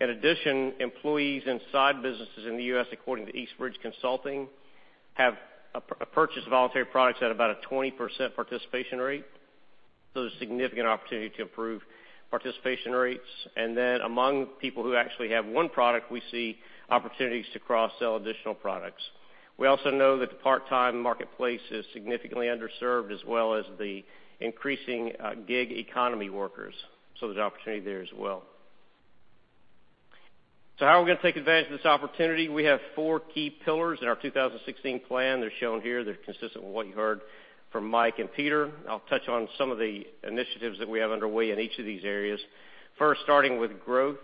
In addition, employees inside businesses in the U.S., according to Eastbridge Consulting Group, have purchased voluntary products at about a 20% participation rate. There is a significant opportunity to improve participation rates. Among people who actually have one product, we see opportunities to cross-sell additional products. We also know that the part-time marketplace is significantly underserved, as well as the increasing gig economy workers. There is opportunity there as well. How are we going to take advantage of this opportunity? We have four key pillars in our 2016 plan. They are shown here. They are consistent with what you heard from Mike Simonds and Peter O'Donnell. I will touch on some of the initiatives that we have underway in each of these areas. First, starting with growth.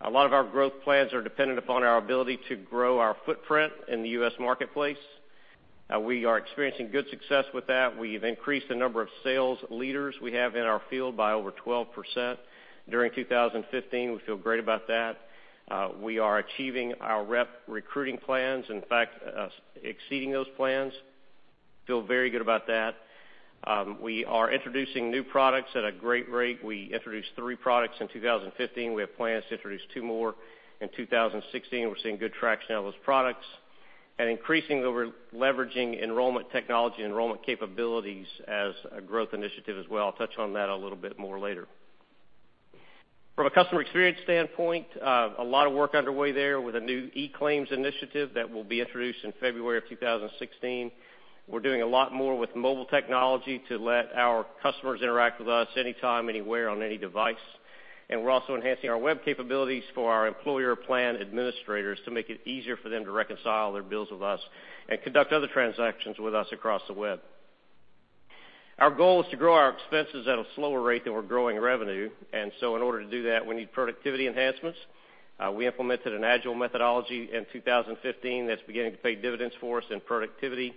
A lot of our growth plans are dependent upon our ability to grow our footprint in the U.S. marketplace. We are experiencing good success with that. We have increased the number of sales leaders we have in our field by over 12% during 2015. We feel great about that. We are achieving our rep recruiting plans. In fact, exceeding those plans. Feel very good about that. We are introducing new products at a great rate. We introduced three products in 2015. We have plans to introduce two more in 2016. We are seeing good traction on those products. Increasing over leveraging enrollment technology, enrollment capabilities as a growth initiative as well. I'll touch on that a little bit more later. From a customer experience standpoint, a lot of work underway there with a new eClaims Initiative that will be introduced in February of 2016. We're doing a lot more with mobile technology to let our customers interact with us anytime, anywhere, on any device. We're also enhancing our web capabilities for our employer plan administrators to make it easier for them to reconcile their bills with us and conduct other transactions with us across the web. Our goal is to grow our expenses at a slower rate than we're growing revenue. In order to do that, we need productivity enhancements. We implemented an agile methodology in 2015 that's beginning to pay dividends for us in productivity,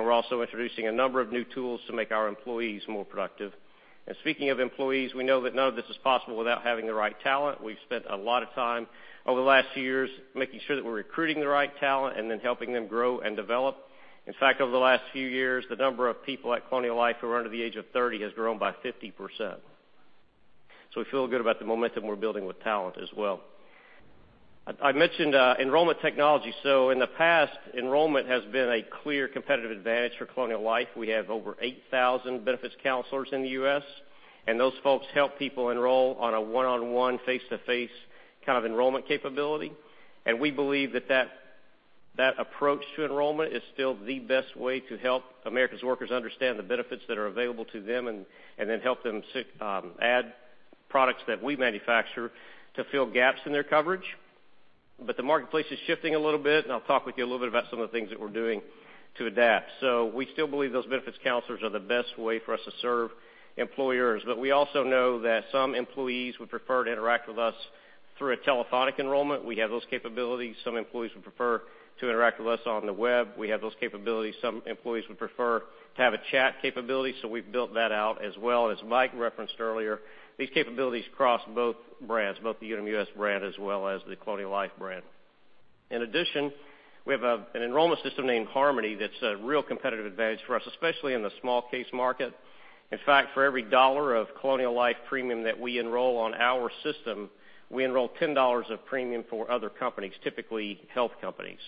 we're also introducing a number of new tools to make our employees more productive. Speaking of employees, we know that none of this is possible without having the right talent. We've spent a lot of time over the last few years making sure that we're recruiting the right talent and then helping them grow and develop. In fact, over the last few years, the number of people at Colonial Life who are under the age of 30 has grown by 50%. We feel good about the momentum we're building with talent as well. I mentioned enrollment technology. In the past, enrollment has been a clear competitive advantage for Colonial Life. We have over 8,000 benefits counselors in the U.S., those folks help people enroll on a one-on-one, face-to-face kind of enrollment capability. We believe that approach to enrollment is still the best way to help America's workers understand the benefits that are available to them then help them add products that we manufacture to fill gaps in their coverage. The marketplace is shifting a little bit, I'll talk with you a little bit about some of the things that we're doing to adapt. We still believe those benefits counselors are the best way for us to serve employers. We also know that some employees would prefer to interact with us through a telephonic enrollment. We have those capabilities. Some employees would prefer to interact with us on the web. We have those capabilities. Some employees would prefer to have a chat capability, we've built that out as well. As Mike referenced earlier, these capabilities cross both brands, both the Unum US brand as well as the Colonial Life brand. In addition, we have an enrollment system named Harmony that's a real competitive advantage for us, especially in the small case market. In fact, for every $1 of Colonial Life premium that we enroll on our system, we enroll $10 of premium for other companies, typically health companies.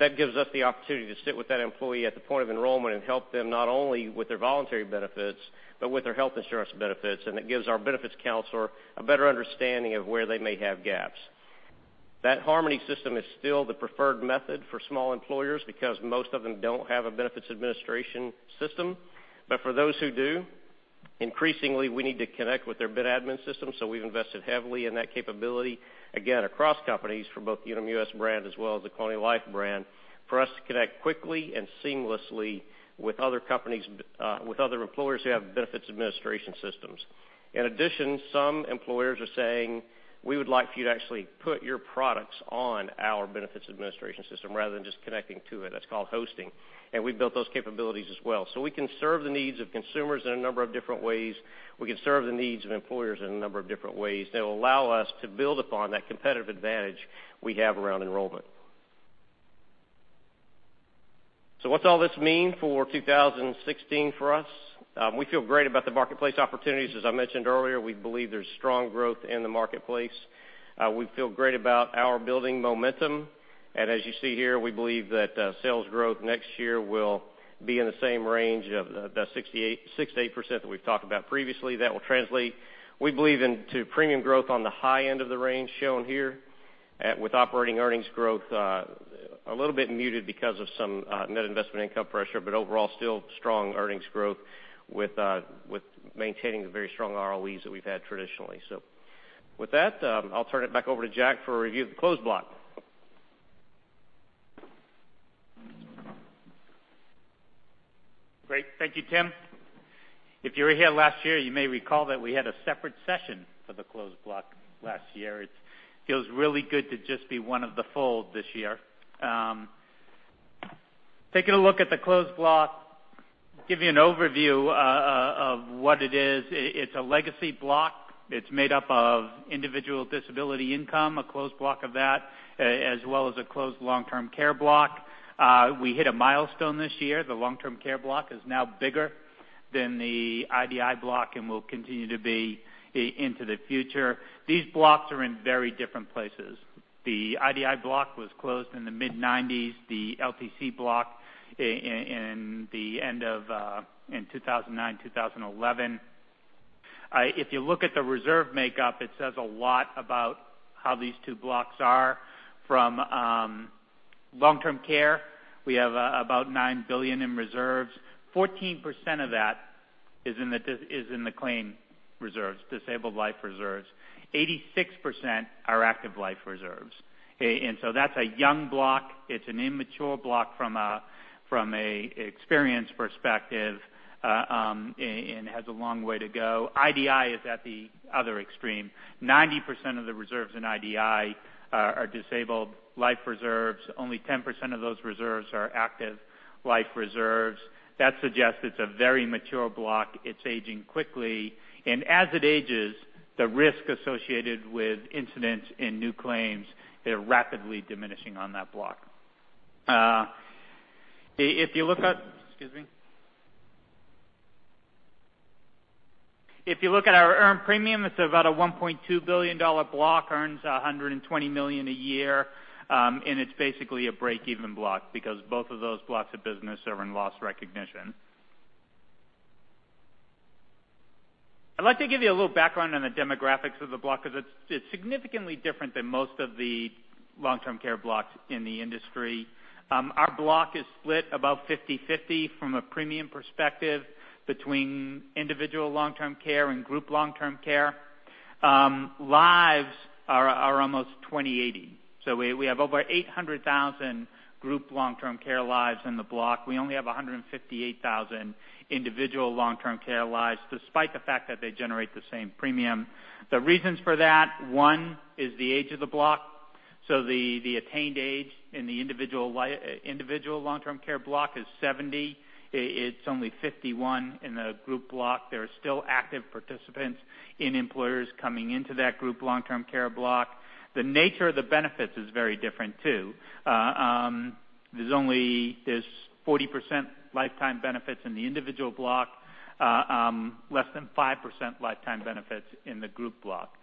That gives us the opportunity to sit with that employee at the point of enrollment and help them not only with their voluntary benefits, but with their health insurance benefits. It gives our benefits counselor a better understanding of where they may have gaps. That Harmony system is still the preferred method for small employers because most of them don't have a benefits administration system. For those who do, increasingly, we need to connect with their benefits admin system. We've invested heavily in that capability, again, across companies for both the Unum US brand as well as the Colonial Life brand, for us to connect quickly and seamlessly with other employers who have benefits administration systems. In addition, some employers are saying, "We would like for you to actually put your products on our benefits administration system rather than just connecting to it." That's called hosting. We've built those capabilities as well. We can serve the needs of consumers in a number of different ways. We can serve the needs of employers in a number of different ways that will allow us to build upon that competitive advantage we have around enrollment. What's all this mean for 2016 for us? We feel great about the marketplace opportunities. As I mentioned earlier, we believe there's strong growth in the marketplace. We feel great about our building momentum. As you see here, we believe that sales growth next year will be in the same range of the 6%-8% that we've talked about previously. That will translate, we believe, into premium growth on the high end of the range shown here, with operating earnings growth a little bit muted because of some net investment income pressure, but overall still strong earnings growth with maintaining the very strong ROEs that we've had traditionally. With that, I'll turn it back over to Jack for a review of the closed block. Great. Thank you, Tim. If you were here last year, you may recall that we had a separate session for the closed block last year. It feels really good to just be one of the fold this year. Taking a look at the closed block, give you an overview of what it is. It's a legacy block. It's made up of individual disability income, a closed block of that, as well as a closed long-term care block. We hit a milestone this year. The long-term care block is now bigger than the IDI block and will continue to be into the future. These blocks are in very different places. The IDI block was closed in the mid-'90s, the LTC block in 2009, 2011. If you look at the reserve makeup, it says a lot about how these two blocks are. From long-term care, we have about $9 billion in reserves. 14% of that is in the claim reserves, disabled life reserves. 86% are active life reserves. That's a young block. It's an immature block from an experience perspective, and has a long way to go. IDI is at the other extreme. 90% of the reserves in IDI are disabled life reserves. Only 10% of those reserves are active life reserves. That suggests it's a very mature block. It's aging quickly, and as it ages, the risk associated with incidents in new claims are rapidly diminishing on that block. Excuse me. If you look at our earned premium, it's about a $1.2 billion block, earns $120 million a year, and it's basically a break-even block because both of those blocks of business are in loss recognition. I'd like to give you a little background on the demographics of the block, because it's significantly different than most of the long-term care blocks in the industry. Our block is split about 50/50 from a premium perspective between individual long-term care and group long-term care. Lives are almost 20/80. We have over 800,000 group long-term care lives in the block. We only have 158,000 individual long-term care lives, despite the fact that they generate the same premium. The reasons for that, one is the age of the block. The attained age in the individual long-term care block is 70. It's only 51 in the group block. There are still active participants in employers coming into that group long-term care block. The nature of the benefits is very different too. There's only 40% lifetime benefits in the individual block, less than 5% lifetime benefits in the group block.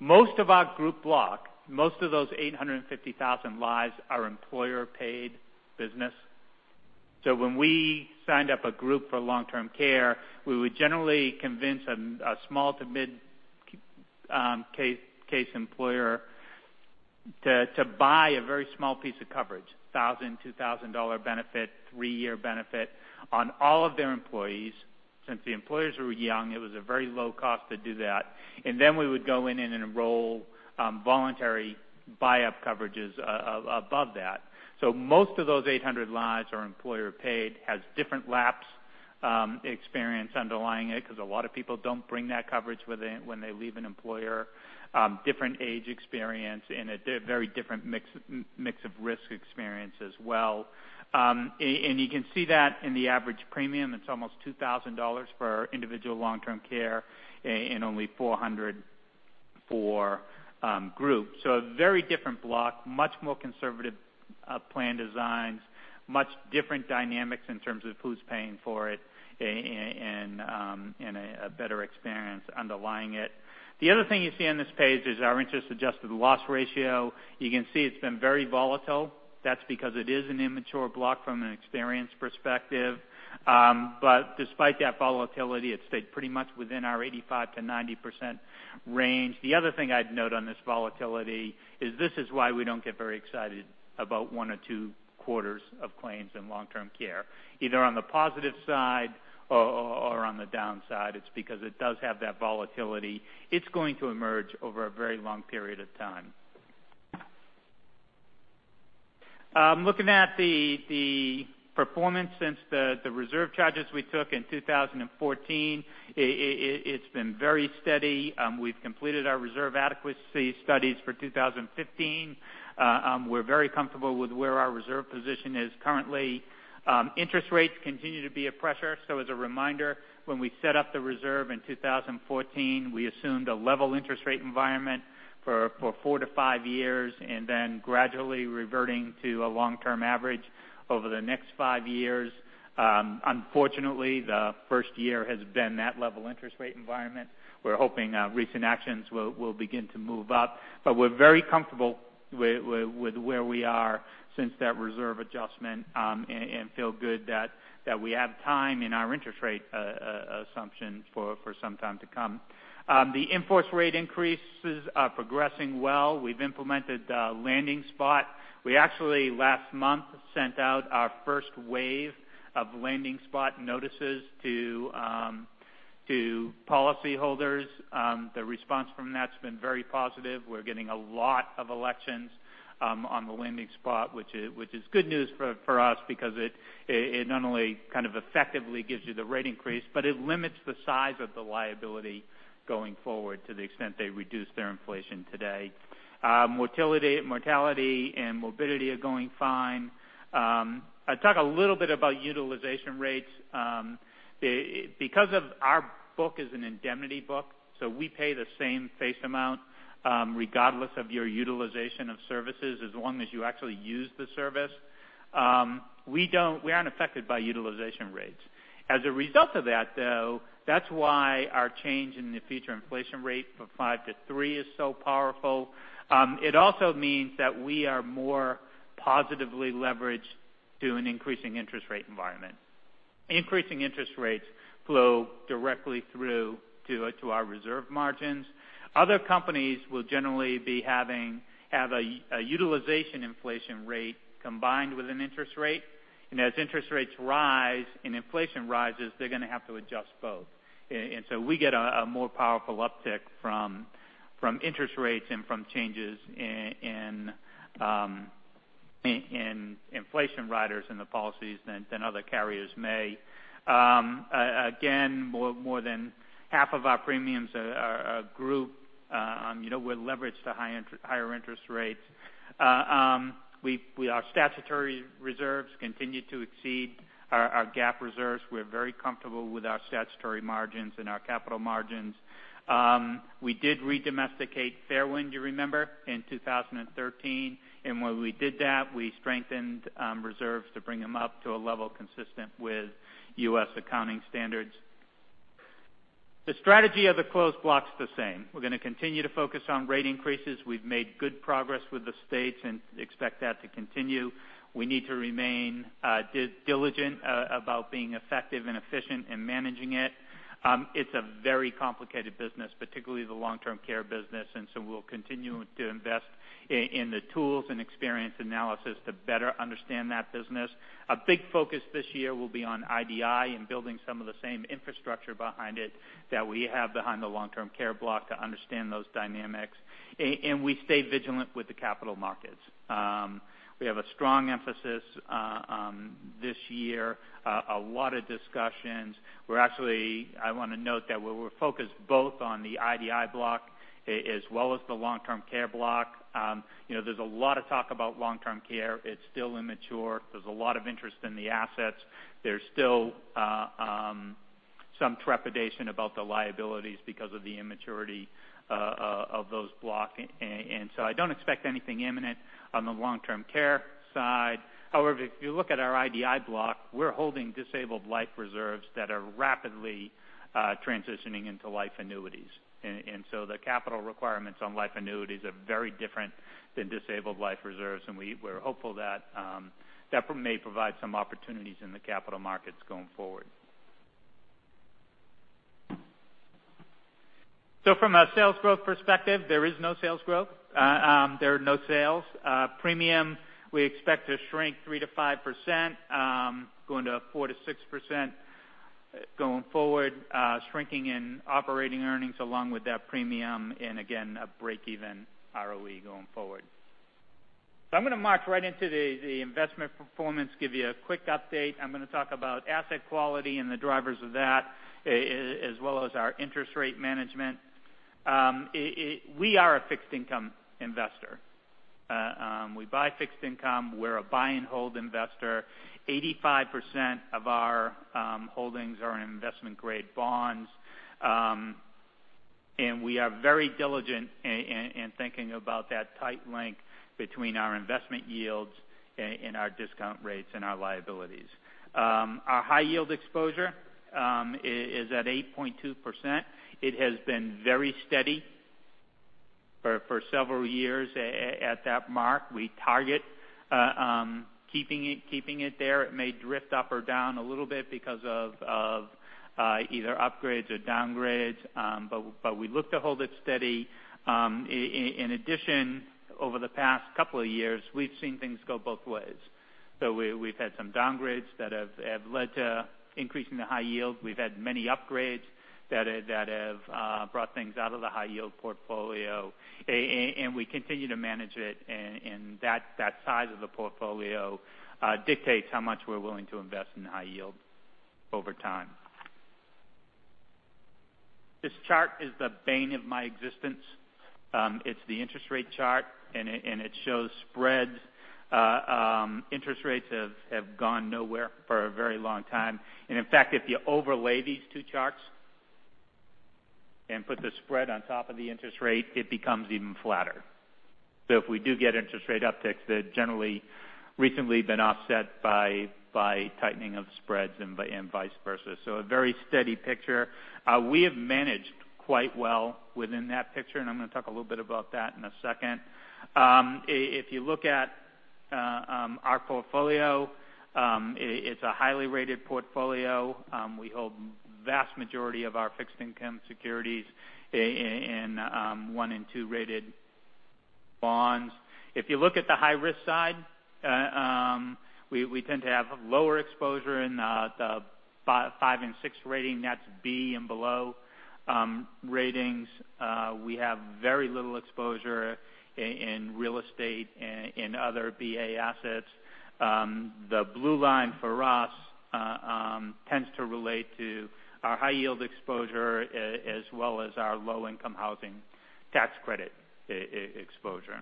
Most of our group block, most of those 850,000 lives are employer-paid business. When we signed up a group for long-term care, we would generally convince a small to mid case employer to buy a very small piece of coverage, $1,000, $2,000 benefit, three-year benefit on all of their employees. Since the employers were young, it was a very low cost to do that. Then we would go in and enroll voluntary buy-up coverages above that. Most of those 800 lives are employer-paid, has different lapse experience underlying it, because a lot of people don't bring that coverage when they leave an employer. Different age experience and a very different mix of risk experience as well. You can see that in the average premium. It's almost $2,000 for individual long-term care and only $400 for group. A very different block, much more conservative plan designs, much different dynamics in terms of who's paying for it, and a better experience underlying it. The other thing you see on this page is our interest-adjusted loss ratio. You can see it's been very volatile. That's because it is an immature block from an experience perspective. Despite that volatility, it stayed pretty much within our 85%-90% range. The other thing I'd note on this volatility is this is why we don't get very excited about one or two quarters of claims in long-term care, either on the positive side or on the downside. It's because it does have that volatility. It's going to emerge over a very long period of time. Looking at the performance since the reserve charges we took in 2014, it's been very steady. We've completed our reserve adequacy studies for 2015. We're very comfortable with where our reserve position is currently. Interest rates continue to be a pressure. As a reminder, when we set up the reserve in 2014, we assumed a level interest rate environment for 4 to 5 years, then gradually reverting to a long-term average over the next five years. Unfortunately, the first year has been that level interest rate environment. We're hoping recent actions will begin to move up. We're very comfortable with where we are since that reserve adjustment, and feel good that we have time in our interest rate assumption for some time to come. The in-force rate increases are progressing well. We've implemented Landing Spot. We actually, last month, sent out our first wave of Landing Spot notices to policyholders. The response from that's been very positive. We're getting a lot of elections on the Landing Spot, which is good news for us because it not only kind of effectively gives you the rate increase, but it limits the size of the liability going forward to the extent they reduce their inflation today. Mortality and morbidity are going fine. I'll talk a little bit about utilization rates. Our book is an indemnity book, so we pay the same face amount, regardless of your utilization of services as long as you actually use the service. We aren't affected by utilization rates. As a result of that, though, that's why our change in the future inflation rate from 5 to 3 is so powerful. It also means that we are more positively leveraged to an increasing interest rate environment. Increasing interest rates flow directly through to our reserve margins. Other companies will generally have a utilization inflation rate combined with an interest rate, and as interest rates rise and inflation rises, they're going to have to adjust both. We get a more powerful uptick from interest rates and from changes in inflation riders in the policies than other carriers may. Again, more than half of our premiums are group. We're leveraged to higher interest rates. Our statutory reserves continue to exceed our GAAP reserves. We're very comfortable with our statutory margins and our capital margins. We did redomesticate Fairwind, you remember, in 2013. When we did that, we strengthened reserves to bring them up to a level consistent with U.S. accounting standards. The strategy of the closed block's the same. We're going to continue to focus on rate increases. We've made good progress with the states and expect that to continue. We need to remain diligent about being effective and efficient in managing it. It's a very complicated business, particularly the long-term care business. We'll continue to invest in the tools and experience analysis to better understand that business. A big focus this year will be on IDI and building some of the same infrastructure behind it that we have behind the long-term care block to understand those dynamics. We stay vigilant with the capital markets. We have a strong emphasis this year, a lot of discussions. I want to note that we're focused both on the IDI block as well as the long-term care block. There's a lot of talk about long-term care. It's still immature. There's a lot of interest in the assets. There's still some trepidation about the liabilities because of the immaturity of those blocks. I don't expect anything imminent on the long-term care side. However, if you look at our IDI block, we're holding disabled life reserves that are rapidly transitioning into life annuities. The capital requirements on life annuities are very different than disabled life reserves, and we're hopeful that may provide some opportunities in the capital markets going forward. From a sales growth perspective, there is no sales growth. There are no sales. Premiums, we expect to shrink 3%-5%, going to 4%-6% going forward, shrinking in operating earnings along with that premium, and again, a break-even ROE going forward. I'm going to march right into the investment performance, give you a quick update. I'm going to talk about asset quality and the drivers of that, as well as our interest rate management. We are a fixed income investor. We buy fixed income. We're a buy and hold investor. 85% of our holdings are in investment-grade bonds. We are very diligent in thinking about that tight link between our investment yields and our discount rates and our liabilities. Our high yield exposure is at 8.2%. It has been very steady for several years at that mark. We target keeping it there. It may drift up or down a little bit because of either upgrades or downgrades. We look to hold it steady. In addition, over the past couple of years, we've seen things go both ways. We've had some downgrades that have led to increasing the high yield. We've had many upgrades that have brought things out of the high yield portfolio, and we continue to manage it, and that size of the portfolio dictates how much we're willing to invest in high yield over time. This chart is the bane of my existence. It's the interest rate chart, it shows spreads. Interest rates have gone nowhere for a very long time. In fact, if you overlay these two charts and put the spread on top of the interest rate, it becomes even flatter. If we do get interest rate upticks, they've generally recently been offset by tightening of spreads and vice versa. A very steady picture. We have managed quite well within that picture, and I'm going to talk a little bit about that in a second. If you look at our portfolio, it's a highly rated portfolio. We hold vast majority of our fixed income securities in one and two-rated bonds. If you look at the high-risk side, we tend to have lower exposure in the 5 and 6 rating, that's B and below ratings. We have very little exposure in real estate and other BA assets. The blue line for us tends to relate to our high yield exposure as well as our low income housing tax credit exposure.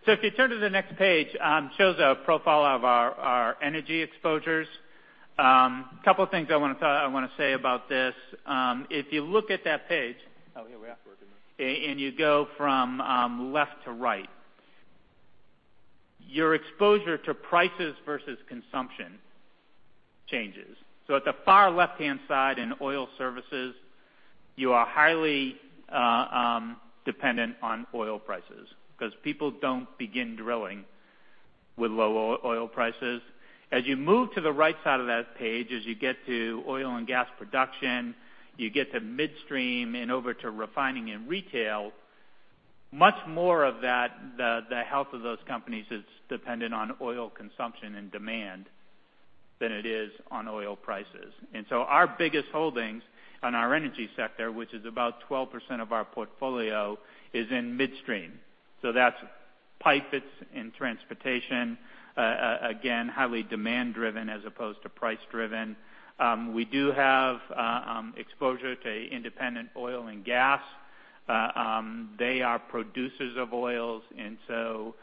Done. It appeared it stopped. I can talk through it. If you turn to the next page, it shows a profile of our energy exposures. Couple things I want to say about this. If you look at that page and you go from left to right, your exposure to prices versus consumption changes. At the far left-hand side in oil services, you are highly dependent on oil prices because people don't begin drilling with low oil prices. Our biggest holdings on our energy sector, which is about 12% of our portfolio, is in midstream. That's Pipelines in transportation, again, highly demand-driven as opposed to price-driven. We do have exposure to independent oil and gas. They are producers of oils and so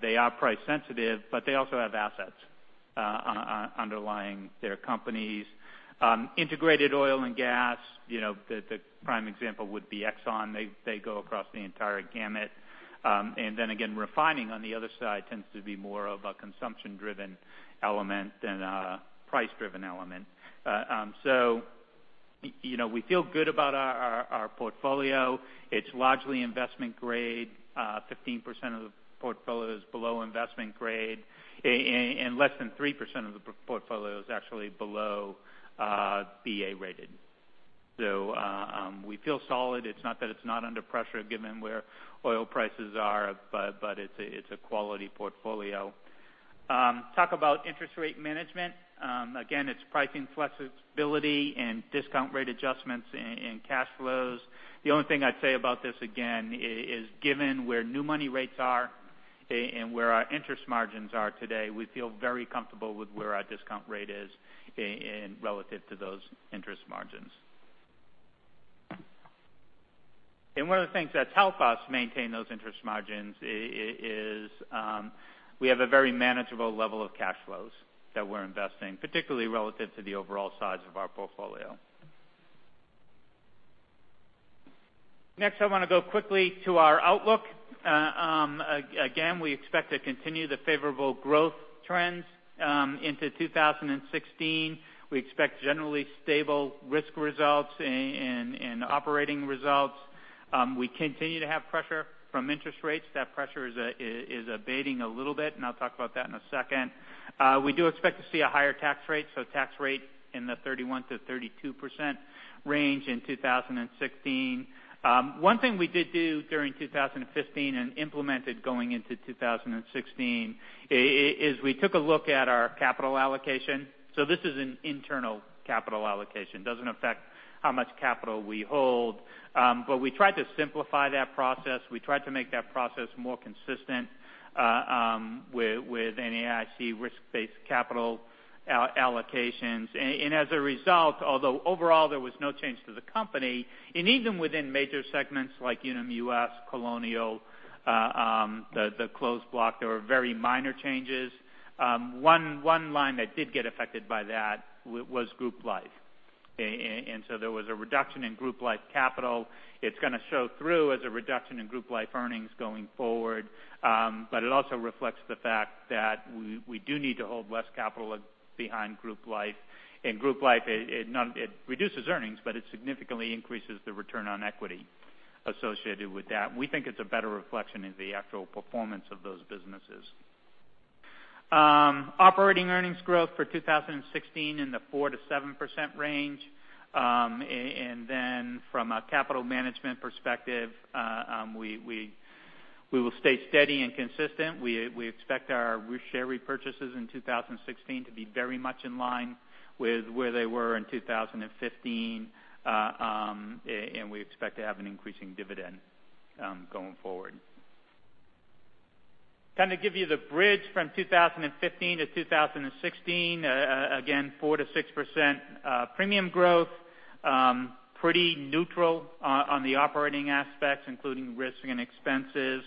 they are price sensitive, but they also have assets underlying their companies. Integrated oil and gas, the prime example would be Exxon. They go across the entire gamut. Refining on the other side tends to be more of a consumption-driven element than a price-driven element. We feel good about our portfolio. It's largely investment grade, 15% of the portfolio is below investment grade, and less than 3% of the portfolio is actually below BA rated. We feel solid. It's not that it's not under pressure given where oil prices are, but it's a quality portfolio. Talk about interest rate management. Again, it's pricing flexibility and discount rate adjustments in cash flows. The only thing I'd say about this again, is given where new money rates are and where our interest margins are today, we feel very comfortable with where our discount rate is relative to those interest margins. One of the things that's helped us maintain those interest margins is we have a very manageable level of cash flows that we're investing, particularly relative to the overall size of our portfolio. Next, I want to go quickly to our outlook. Again, we expect to continue the favorable growth trends into 2016. We expect generally stable risk results and operating results. We continue to have pressure from interest rates. That pressure is abating a little bit, and I'll talk about that in a second. We do expect to see a higher tax rate, so tax rate in the 31%-32% range in 2016. One thing we did do during 2015 and implemented going into 2016, is we took a look at our capital allocation. This is an internal capital allocation. Doesn't affect how much capital we hold. We tried to simplify that process. We tried to make that process more consistent with NAIC risk-based capital allocations. As a result, although overall there was no change to the company, and even within major segments like Unum US, Colonial, the closed block, there were very minor changes. One line that did get affected by that was Group Life. There was a reduction in Group Life capital. It's going to show through as a reduction in Group Life earnings going forward. It also reflects the fact that we do need to hold less capital behind Group Life. Group Life, it reduces earnings, but it significantly increases the return on equity associated with that. We think it's a better reflection of the actual performance of those businesses. Operating earnings growth for 2016 in the 4%-7% range. From a capital management perspective, we will stay steady and consistent. We expect our share repurchases in 2016 to be very much in line with where they were in 2015. We expect to have an increasing dividend going forward. Kind of give you the bridge from 2015 to 2016. Again, 4%-6% premium growth. Pretty neutral on the operating aspects, including risk and expenses.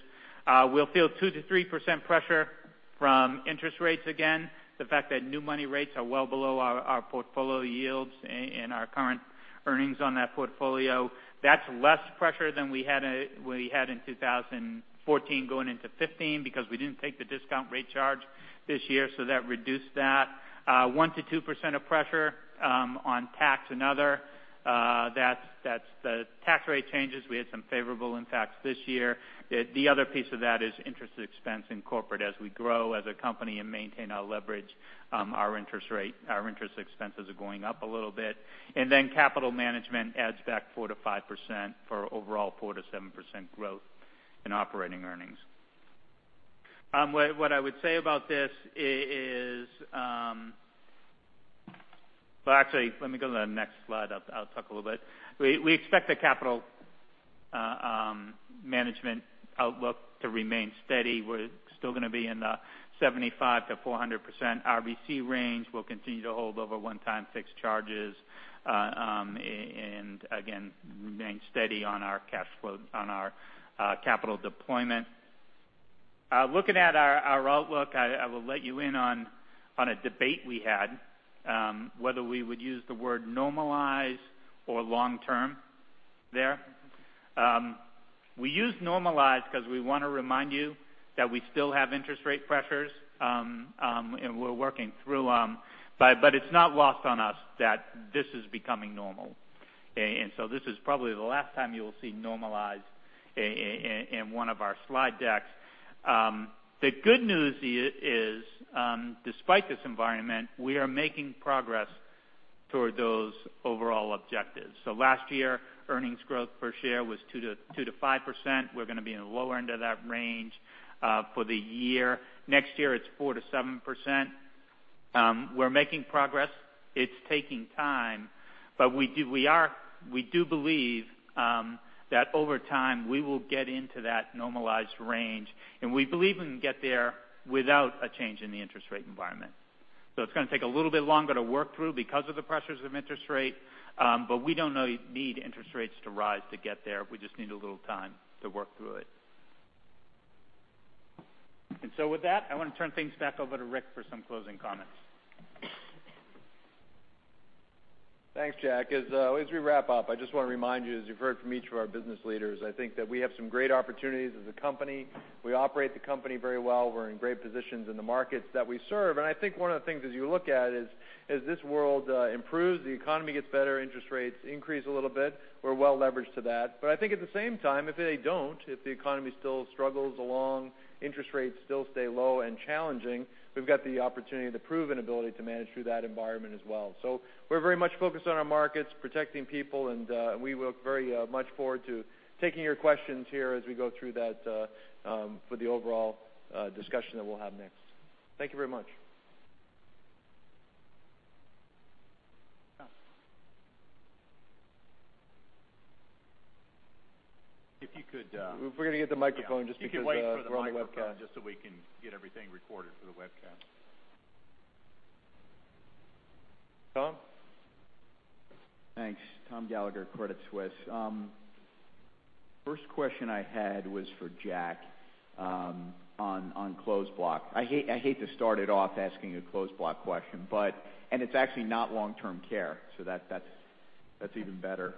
We will feel 2%-3% pressure from interest rates again. The fact that new money rates are well below our portfolio yields and our current earnings on that portfolio. That is less pressure than we had in 2014 going into 2015 because we did not take the discount rate charge this year. That reduced that. 1%-2% of pressure on tax and other. That is the tax rate changes. We had some favorable impacts this year. The other piece of that is interest expense in corporate. As we grow as a company and maintain our leverage, our interest expenses are going up a little bit. Capital management adds back 4%-5% for overall 4%-7% growth in operating earnings. What I would say about this is, let me go to the next slide. I will talk a little bit. We expect the capital management outlook to remain steady. We are still going to be in the 75%-400% RBC range. We will continue to hold over one-time fixed charges. Again, remain steady on our capital deployment. Looking at our outlook, I will let you in on a debate we had, whether we would use the word normalize or long-term there. We use normalize because we want to remind you that we still have interest rate pressures, and we are working through them. It is not lost on us that this is becoming normal. This is probably the last time you will see normalize in one of our slide decks. The good news is, despite this environment, we are making progress toward those overall objectives. Last year, earnings growth per share was 2%-5%. We are going to be in the lower end of that range for the year. Next year, it is 4%-7%. We are making progress. It is taking time. We do believe that over time, we will get into that normalized range, and we believe we can get there without a change in the interest rate environment. It is going to take a little bit longer to work through because of the pressures of interest rate, but we do not need interest rates to rise to get there. We just need a little time to work through it. With that, I want to turn things back over to Rick for some closing comments. Thanks, Jack. As we wrap up, I just want to remind you, as you have heard from each of our business leaders, I think that we have some great opportunities as a company. We operate the company very well. We are in great positions in the markets that we serve. I think one of the things as you look at is, as this world improves, the economy gets better, interest rates increase a little bit, we are well-leveraged to that. I think at the same time, if they do not, if the economy still struggles along, interest rates still stay low and challenging, we have got the opportunity to prove an ability to manage through that environment as well. We are very much focused on our markets, protecting people, and we look very much forward to taking your questions here as we go through that for the overall discussion that we will have next. Thank you very much. Tom. If we could get the microphone just because we're on the webcast. If you could wait for the microphone just so we can get everything recorded for the webcast. Tom? Thanks. Tom Gallagher, Credit Suisse. First question I had was for Jack on Closed Block. I hate to start it off asking a Closed Block question, and it's actually not long-term care, so that's even better.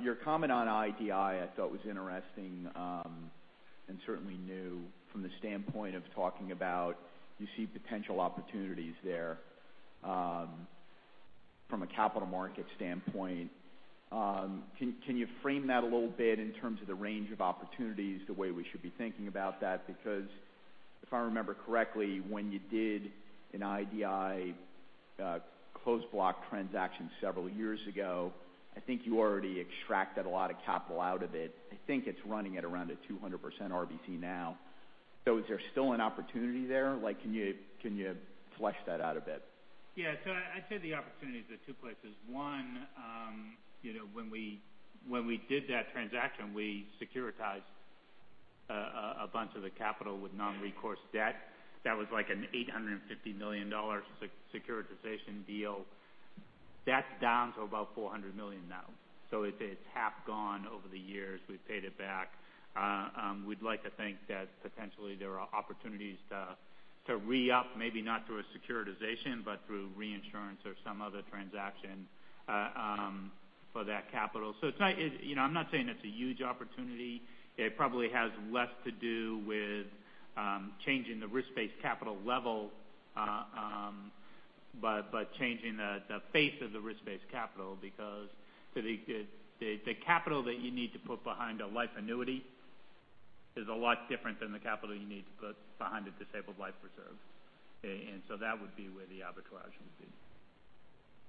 Your comment on IDI I thought was interesting, and certainly new from the standpoint of talking about, you see potential opportunities there from a capital market standpoint. Can you frame that a little bit in terms of the range of opportunities, the way we should be thinking about that? If I remember correctly, when you did an IDI Closed Block transaction several years ago, I think you already extracted a lot of capital out of it. I think it's running at around a 200% RBC now. Is there still an opportunity there? Can you flesh that out a bit? Yeah. I'd say the opportunities are two places. One, when we did that transaction, we securitized a bunch of the capital with non-recourse debt. That was like an $850 million securitization deal. That's down to about $400 million now. It's half gone over the years. We've paid it back. We'd like to think that potentially there are opportunities to re-up, maybe not through a securitization, but through reinsurance or some other transaction for that capital. I'm not saying it's a huge opportunity. It probably has less to do with changing the risk-based capital level, but changing the face of the risk-based capital because the capital that you need to put behind a life annuity is a lot different than the capital you need to put behind a disabled life reserve. That would be where the arbitrage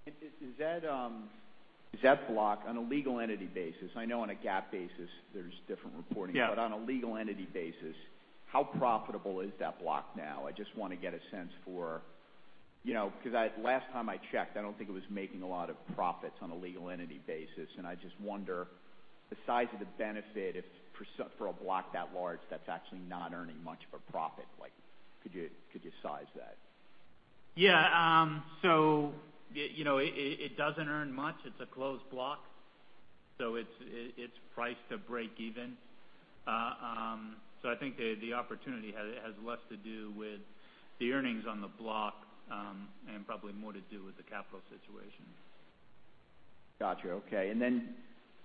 would be. Is that block on a legal entity basis? I know on a GAAP basis, there's different reporting. Yeah. On a legal entity basis, how profitable is that block now? I just want to get a sense for last time I checked, I don't think it was making a lot of profits on a legal entity basis, and I just wonder the size of the benefit for a block that large that's actually not earning much of a profit. Could you size that? It doesn't earn much. It's a closed block. It's priced to break even. I think the opportunity has less to do with the earnings on the block and probably more to do with the capital situation. Got you. Okay.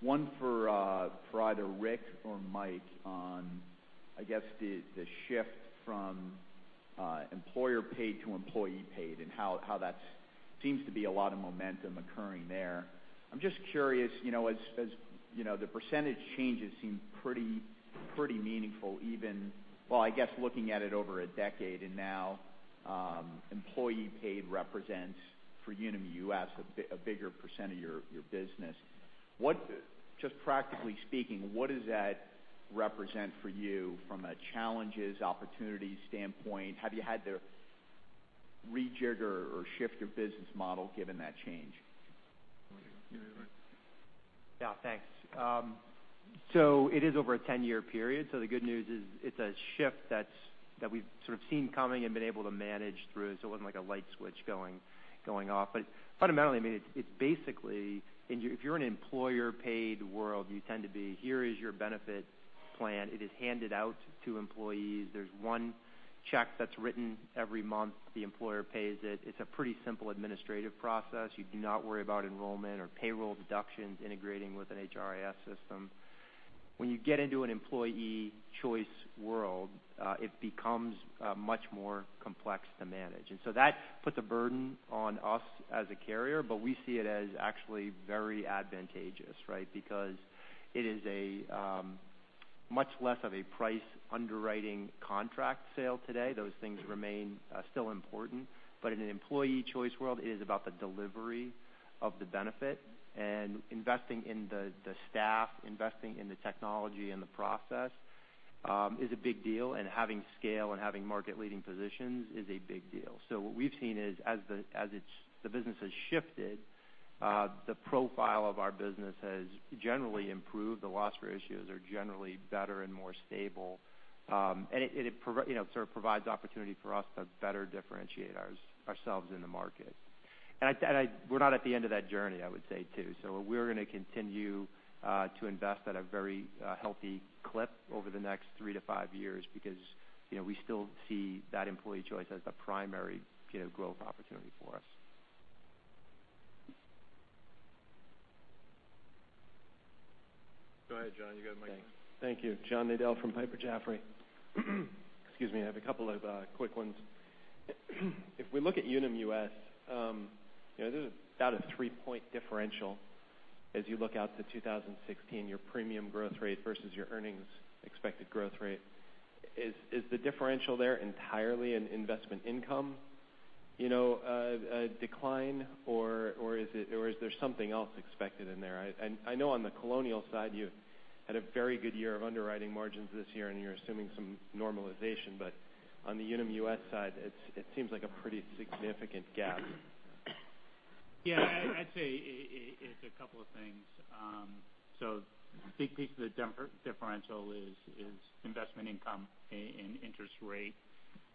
One for either Rick or Mike on, I guess, the shift from employer-paid to employee-paid and how that seems to be a lot of momentum occurring there. I'm just curious, as the % changes seem pretty meaningful even, well, I guess looking at it over a decade and now employee-paid represents for Unum US a bigger % of your business. Just practically speaking, what does that represent for you from a challenges, opportunity standpoint? Have you had to rejig or shift your business model given that change? You want me to go? Yeah, you're right. Yeah, thanks. It is over a 10-year period, so the good news is it's a shift that we've sort of seen coming and been able to manage through, so it wasn't like a light switch going off. Fundamentally, it's basically if you're an employer-paid world, you tend to be, here is your benefit plan. It is handed out to employees. There's one check that's written every month. The employer pays it. It's a pretty simple administrative process. You do not worry about enrollment or payroll deductions integrating with an HRIS system. When you get into an employee choice world, it becomes much more complex to manage. That puts a burden on us as a carrier, but we see it as actually very advantageous, right? Because it is a much less of a price underwriting contract sale today. Those things remain still important. In an employee choice world, it is about the delivery of the benefit and investing in the staff, investing in the technology and the process. Is a big deal, having scale and having market-leading positions is a big deal. What we've seen is as the business has shifted, the profile of our business has generally improved. The loss ratios are generally better and more stable. It sort of provides opportunity for us to better differentiate ourselves in the market. We're not at the end of that journey, I would say, too. We're going to continue to invest at a very healthy clip over the next 3 to 5 years because we still see that employee choice as the primary growth opportunity for us. Go ahead, John. You got a mic on. Thank you. John Nadel from Piper Jaffray. Excuse me. I have a couple of quick ones. If we look at Unum US, there's about a three-point differential as you look out to 2016, your premium growth rate versus your earnings expected growth rate. Is the differential there entirely an investment income decline or is there something else expected in there? I know on the Colonial side, you had a very good year of underwriting margins this year and you're assuming some normalization. On the Unum US side, it seems like a pretty significant gap. I'd say it's a couple of things. Big piece of the differential is investment income and interest rate.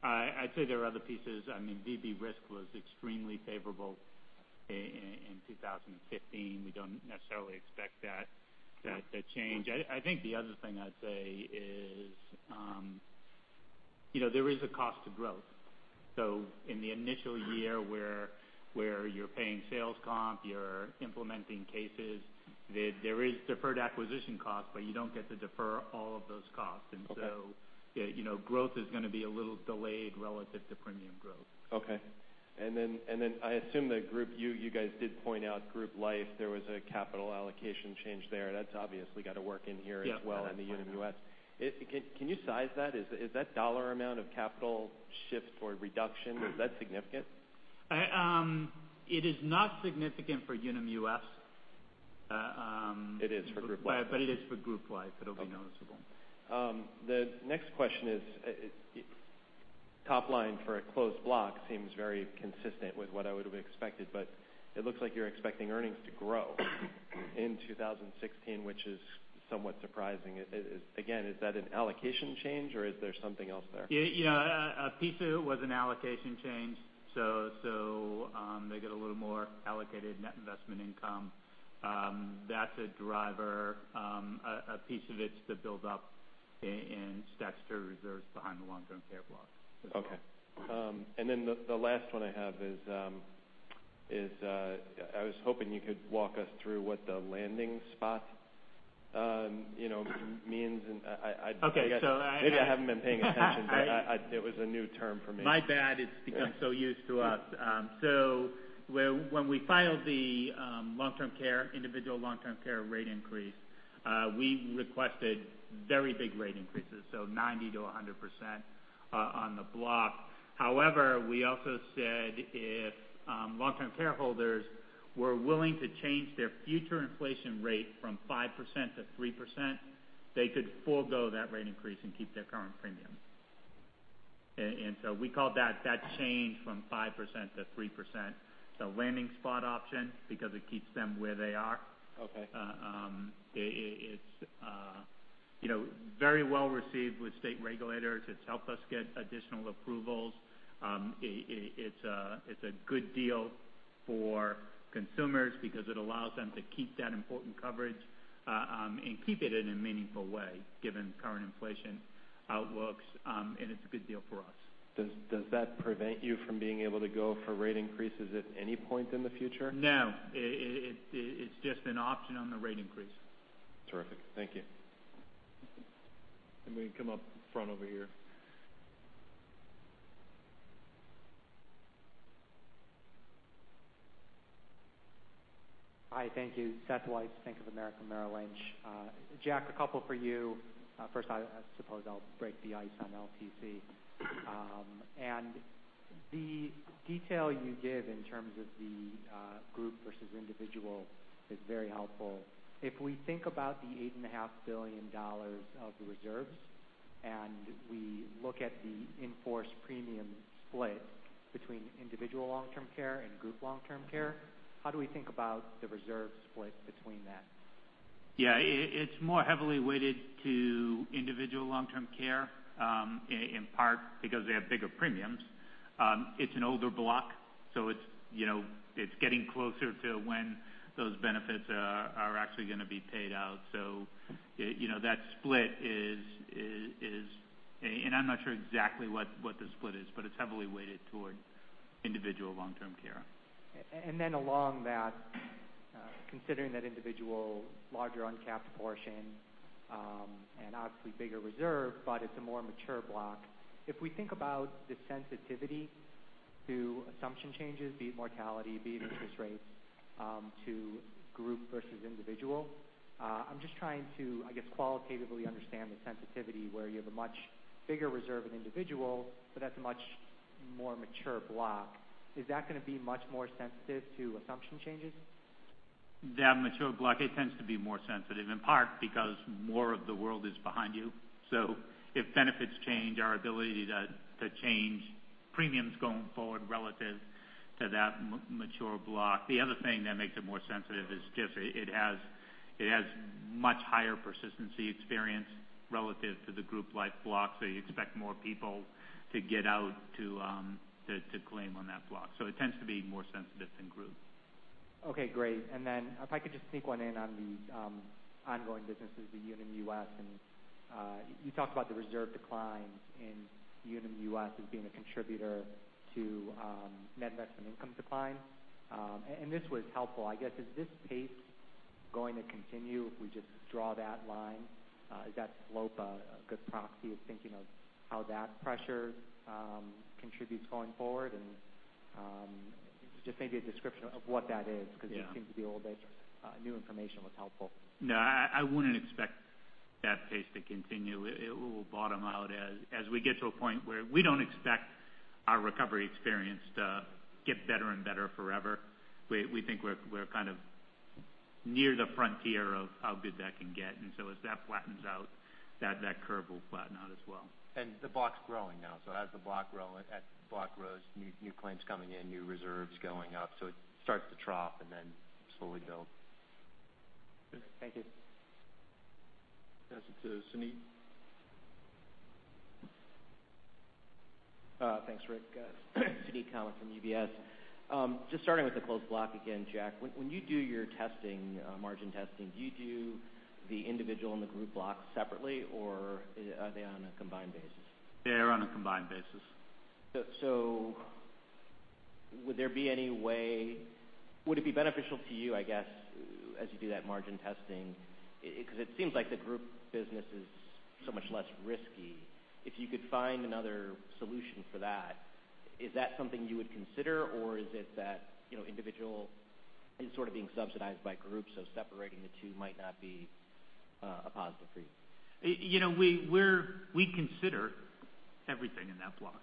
I'd say there are other pieces. I mean, DB risk was extremely favorable in 2015. We don't necessarily expect that change. I think the other thing I'd say is there is a cost to growth. In the initial year where you're paying sales comp, you're implementing cases, there is deferred acquisition cost, but you don't get to defer all of those costs. Okay. Growth is going to be a little delayed relative to premium growth. I assume that you guys did point out group life. There was a capital allocation change there. That's obviously got to work in here as well. Yeah on the Unum US. Can you size that? Is that dollar amount of capital shift or reduction, is that significant? It is not significant for Unum US. It is for group life. It is for group life. It'll be noticeable. Okay. The next question is, top line for a closed block seems very consistent with what I would've expected, but it looks like you're expecting earnings to grow in 2016, which is somewhat surprising. Again, is that an allocation change or is there something else there? Yeah. A piece of it was an allocation change, so they get a little more allocated net investment income. That's a driver. A piece of it's the build-up in statutory reserves behind the long-term care blocks as well. The last one I have is I was hoping you could walk us through what the Landing Spot means. Okay. Maybe I haven't been paying attention, but it was a new term for me. My bad. It's become so used to us. When we filed the individual long-term care rate increase, we requested very big rate increases, so 90%-100% on the block. However, we also said if long-term care holders were willing to change their future inflation rate from 5%-3%, they could forego that rate increase and keep their current premium. We called that change from 5%-3% the Landing Spot option because it keeps them where they are. Okay. It's very well received with state regulators. It's helped us get additional approvals. It's a good deal for consumers because it allows them to keep that important coverage and keep it in a meaningful way given current inflation outlooks, and it's a good deal for us. Does that prevent you from being able to go for rate increases at any point in the future? No. It's just an option on the rate increase. Terrific. Thank you. We can come up front over here. Hi, thank you. Seth Weiss, Bank of America, Merrill Lynch. Jack, a couple for you. First, I suppose I'll break the ice on LTC. The detail you give in terms of the group versus individual is very helpful. If we think about the $8.5 billion of the reserves and we look at the in-force premium split between individual long-term care and group long-term care, how do we think about the reserve split between that? Yeah. It's more heavily weighted to individual long-term care, in part because they have bigger premiums. It's an older block, so it's getting closer to when those benefits are actually going to be paid out. That split is, and I'm not sure exactly what the split is, but it's heavily weighted toward individual long-term care. Then along that, considering that individual larger uncapped portion and obviously bigger reserve, but it's a more mature block. If we think about the sensitivity to assumption changes, be it mortality, be it interest rates, to group versus individual, I'm just trying to, I guess, qualitatively understand the sensitivity where you have a much bigger reserve in individual, but that's a much more mature block. Is that going to be much more sensitive to assumption changes? That mature block, it tends to be more sensitive, in part because more of the world is behind you. If benefits change, our ability to change premiums going forward relative to that mature block. The other thing that makes it more sensitive is just it has much higher persistency experience relative to the group life block. You expect more people to get out to claim on that block. It tends to be more sensitive than group. Okay, great. If I could just sneak one in on the ongoing businesses, the Unum US, you talked about the reserve declines in Unum US as being a contributor to net investment income decline. This was helpful, I guess, is this pace going to continue if we just draw that line? Is that slope a good proxy of thinking of how that pressure contributes going forward? Just maybe a description of what that is, because it seems to be a little bit new information was helpful. No, I wouldn't expect that pace to continue. It will bottom out as we get to a point where we don't expect our recovery experience to get better and better forever. We think we're kind of near the frontier of how good that can get, as that flattens out, that curve will flatten out as well. The block's growing now, as the block grows, new claims coming in, new reserves going up. It starts to trough and then slowly build. Thank you. Pass it to Suneet. Thanks, Rick. Suneet Kamath from UBS. Just starting with the closed block again, Jack, when you do your testing, margin testing, do you do the individual and the group block separately, or are they on a combined basis? They are on a combined basis. Would it be beneficial to you, I guess, as you do that margin testing? It seems like the group business is so much less risky. If you could find another solution for that, is that something you would consider, or is it that individual is sort of being subsidized by groups, so separating the two might not be a positive for you? We consider everything in that block.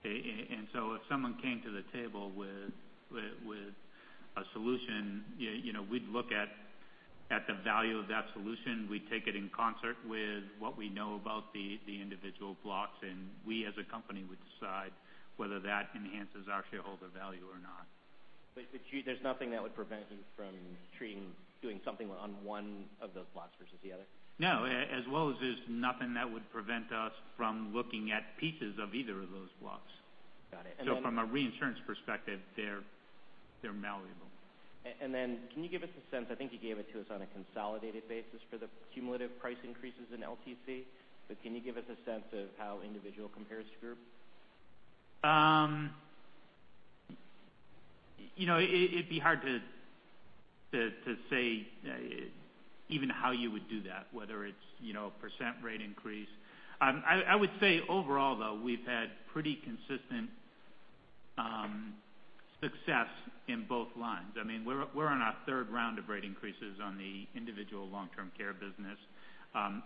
Okay? If someone came to the table with a solution, we'd look at the value of that solution, we'd take it in concert with what we know about the individual blocks, and we as a company would decide whether that enhances our shareholder value or not. There's nothing that would prevent you from doing something on one of those blocks versus the other? No, as well as there's nothing that would prevent us from looking at pieces of either of those blocks. Got it. From a reinsurance perspective, they're malleable. Can you give us a sense, I think you gave it to us on a consolidated basis for the cumulative price increases in LTC, but can you give us a sense of how individual compares to group? It'd be hard to say even how you would do that, whether it's a % rate increase. I would say overall, though, we've had pretty consistent success in both lines. I mean, we're on our third round of rate increases on the individual long-term care business.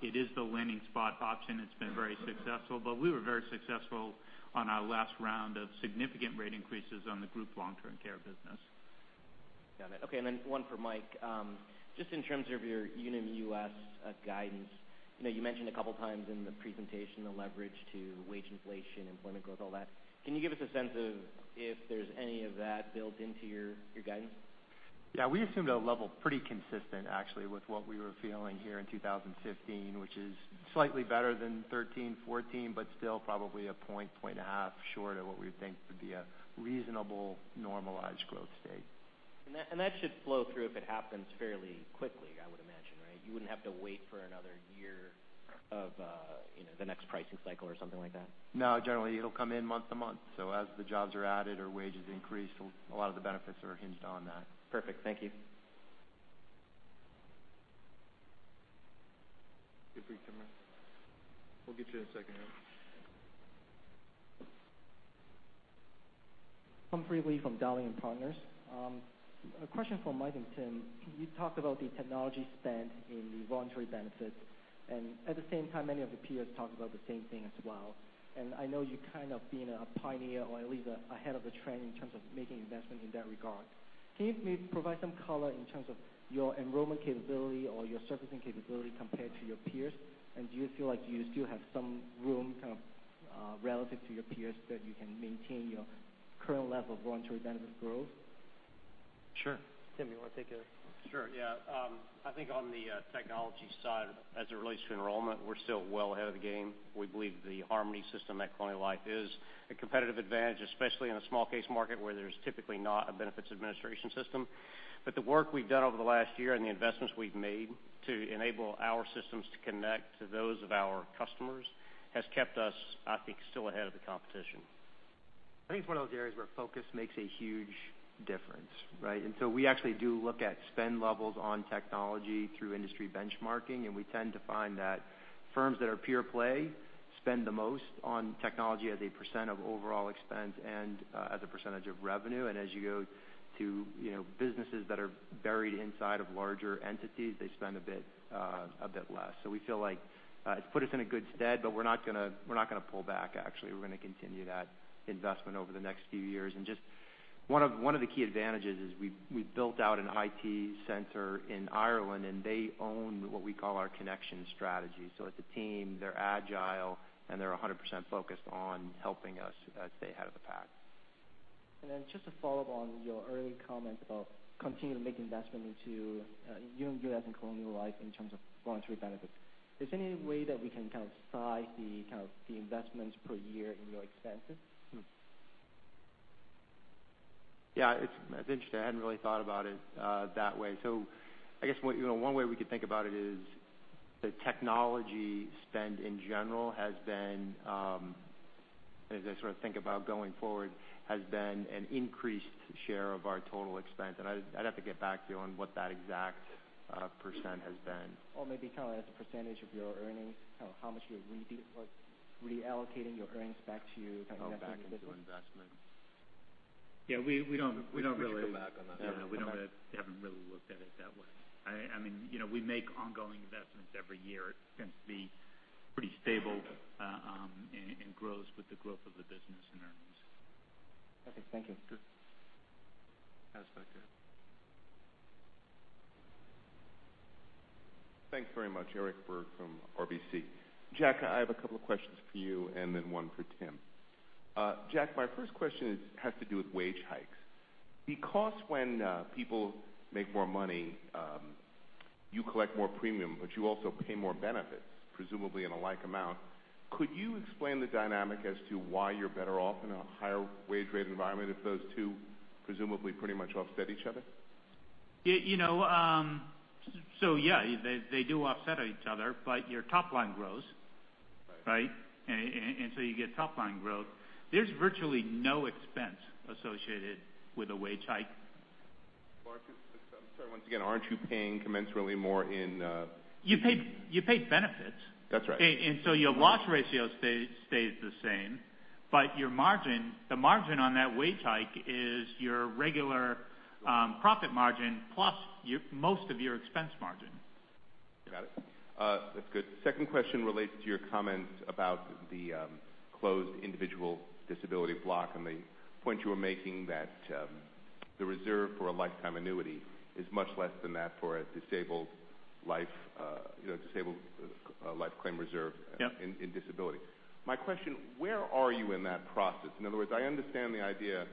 It is the Landing Spot option. It's been very successful, but we were very successful on our last round of significant rate increases on the group long-term care business. Got it. Okay, one for Mike, just in terms of your Unum US guidance, you mentioned a couple of times in the presentation the leverage to wage inflation, employment growth, all that. Can you give us a sense of if there's any of that built into your guidance? Yeah. We assumed a level pretty consistent, actually, with what we were feeling here in 2015, which is slightly better than 2013, 2014, still probably a point and a half short of what we would think would be a reasonable normalized growth state. That should flow through if it happens fairly quickly, I would imagine, right? You wouldn't have to wait for another year of the next pricing cycle or something like that? No, generally, it'll come in month to month. As the jobs are added or wages increase, a lot of the benefits are hinged on that. Perfect. Thank you. Give brief camera. We'll get you in a second. Humphrey Lee from Dahlman Partners. A question for Mike and Tim. You talked about the technology spent in the voluntary benefits, at the same time, many of the peers talked about the same thing as well. I know you kind of being a pioneer or at least ahead of the trend in terms of making investments in that regard. Can you maybe provide some color in terms of your enrollment capability or your servicing capability compared to your peers? Do you feel like you still have some room kind of relative to your peers that you can maintain your current level of voluntary benefits growth? Sure. Tim, you want to take it? Sure. Yeah. I think on the technology side, as it relates to enrollment, we're still well ahead of the game. We believe the Harmony system at Colonial Life is a competitive advantage, especially in a small case market where there's typically not a benefits administration system. The work we've done over the last year and the investments we've made to enable our systems to connect to those of our customers has kept us, I think, still ahead of the competition. I think it's one of those areas where focus makes a huge difference, right? We actually do look at spend levels on technology through industry benchmarking, and we tend to find that firms that are pure-play spend the most on technology as a % of overall expense and as a % of revenue. As you go to businesses that are buried inside of larger entities, they spend a bit less. We feel like it's put us in a good stead, but we're not going to pull back, actually. We're going to continue that investment over the next few years and just One of the key advantages is we've built out an IT center in Ireland, and they own what we call our connection strategy. It's a team, they're agile, and they're 100% focused on helping us stay ahead of the pack. Just to follow up on your earlier comment about continuing to make investment into Unum US and Colonial Life in terms of voluntary benefits. Is there any way that we can kind of size the investments per year in your expenses? Yeah. It's interesting. I hadn't really thought about it that way. I guess one way we could think about it is the technology spend in general has been, as I sort of think about going forward, has been an increased share of our total expense. I'd have to get back to you on what that exact % has been. maybe kind of as a % of your earnings, how much you're reallocating your earnings back to kind of investment in the business. back into investment. Yeah, we don't really. We can come back on that. Yeah. We haven't really looked at it that way. We make ongoing investments every year. It tends to be pretty stable and grows with the growth of the business and earnings. Okay. Thank you. Sure. Last back there. Thanks very much. Eric Berg from RBC. Jack, I have a couple of questions for you and then one for Tim. Jack, my first question has to do with wage hikes. When people make more money, you collect more premium, but you also pay more benefits, presumably in a like amount. Could you explain the dynamic as to why you're better off in a higher wage rate environment if those two presumably pretty much offset each other? Yeah. They do offset each other, but your top line grows. Right. Right? You get top line growth. There's virtually no expense associated with a wage hike. Sorry, once again, aren't you paying commensurately more? You pay benefits. That's right. Your loss ratio stays the same, but the margin on that wage hike is your regular profit margin plus most of your expense margin. Got it. That's good. Second question relates to your comment about the closed individual disability block, and the point you were making that the reserve for a lifetime annuity is much less than that for a disabled life claim reserve. Yep In disability. My question, where are you in that process? I understand the idea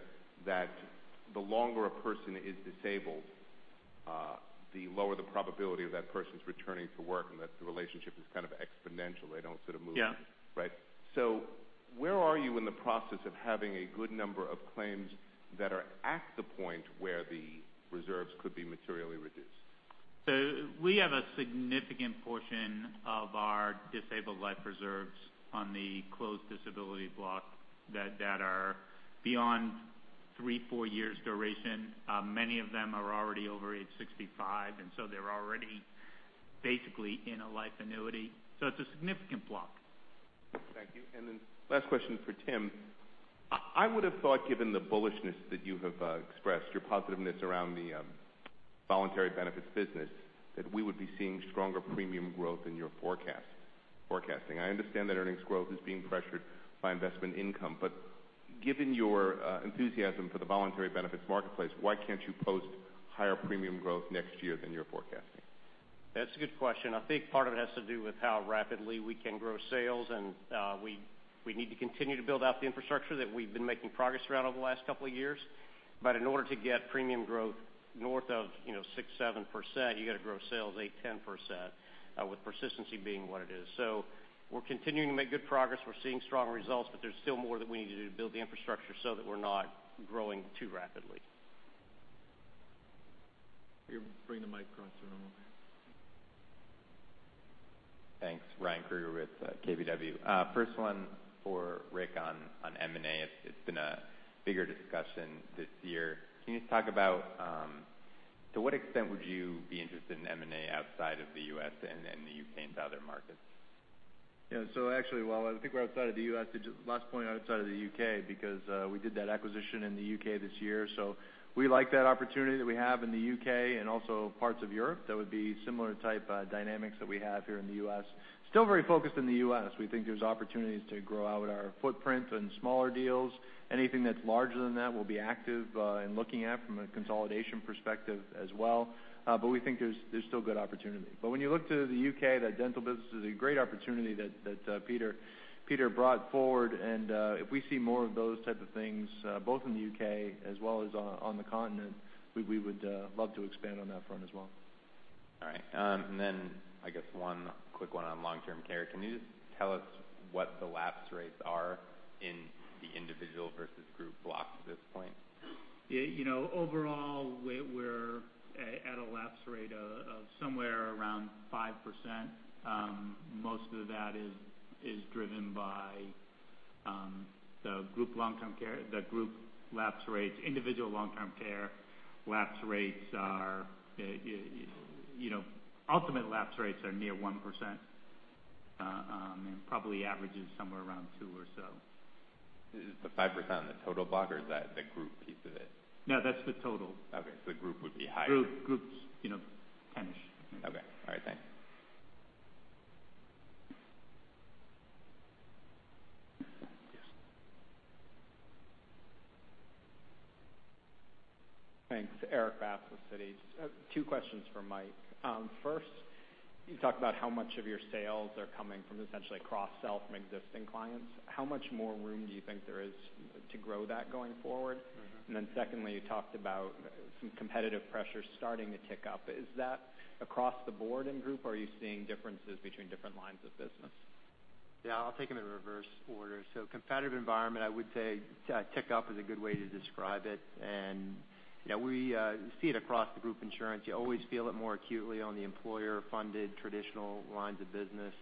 that the longer a person is disabled, the lower the probability of that person's returning to work, and that the relationship is kind of exponential. They don't sort of move. Yeah. Right. Where are you in the process of having a good number of claims that are at the point where the reserves could be materially reduced? We have a significant portion of our disabled life reserves on the closed disability block that are beyond three, four years duration. Many of them are already over age 65, and so they're already basically in a life annuity. It's a significant block. Thank you. Then last question for Tim. I would have thought given the bullishness that you have expressed, your positiveness around the voluntary benefits business, that we would be seeing stronger premium growth in your forecasting. I understand that earnings growth is being pressured by investment income. Given your enthusiasm for the voluntary benefits marketplace, why can't you post higher premium growth next year than you're forecasting? That's a good question. I think part of it has to do with how rapidly we can grow sales, and we need to continue to build out the infrastructure that we've been making progress around over the last couple of years. In order to get premium growth north of six, 7%, you got to grow sales eight, 10%, with persistency being what it is. We're continuing to make good progress. We're seeing strong results, but there's still more that we need to do to build the infrastructure so that we're not growing too rapidly. Here, bring the mic across the room. Thanks. Ryan Krueger with KBW. First one for Rick on M&A. It's been a bigger discussion this year. Can you just talk about to what extent would you be interested in M&A outside of the U.S. and the U.K. and other markets? Yeah. Actually, while I think we're outside of the U.S., the last point outside of the U.K., because we did that acquisition in the U.K. this year. We like that opportunity that we have in the U.K. and also parts of Europe that would be similar type dynamics that we have here in the U.S. Still very focused in the U.S. We think there's opportunities to grow out our footprint and smaller deals. Anything that's larger than that, we'll be active in looking at from a consolidation perspective as well. We think there's still good opportunity. When you look to the U.K., that dental business is a great opportunity that Peter brought forward, and if we see more of those type of things, both in the U.K. as well as on the continent, we would love to expand on that front as well. All right. Then I guess one quick one on long-term care. Can you just tell us what the lapse rates are in the individual versus group blocks at this point? Overall, we're at a lapse rate of somewhere around 5%. Most of that is driven by the group lapse rates. Individual long-term care ultimate lapse rates are near 1%, and probably averages somewhere around two or so. Is the 5% on the total block, or is that the group piece of it? No, that's the total. Okay. The group would be higher. Group's 10-ish. Okay. All right. Thanks. Yes. Thanks. Erik Bass with Citi. Two questions for Mike. First, you talked about how much of your sales are coming from essentially a cross-sell from existing clients. How much more room do you think there is to grow that going forward? Secondly, you talked about some competitive pressure starting to tick up. Is that across the board in Group, or are you seeing differences between different lines of business? I'll take them in reverse order. Competitive environment, I would say tick up is a good way to describe it. We see it across the Group Insurance. You always feel it more acutely on the employer-funded traditional lines of business.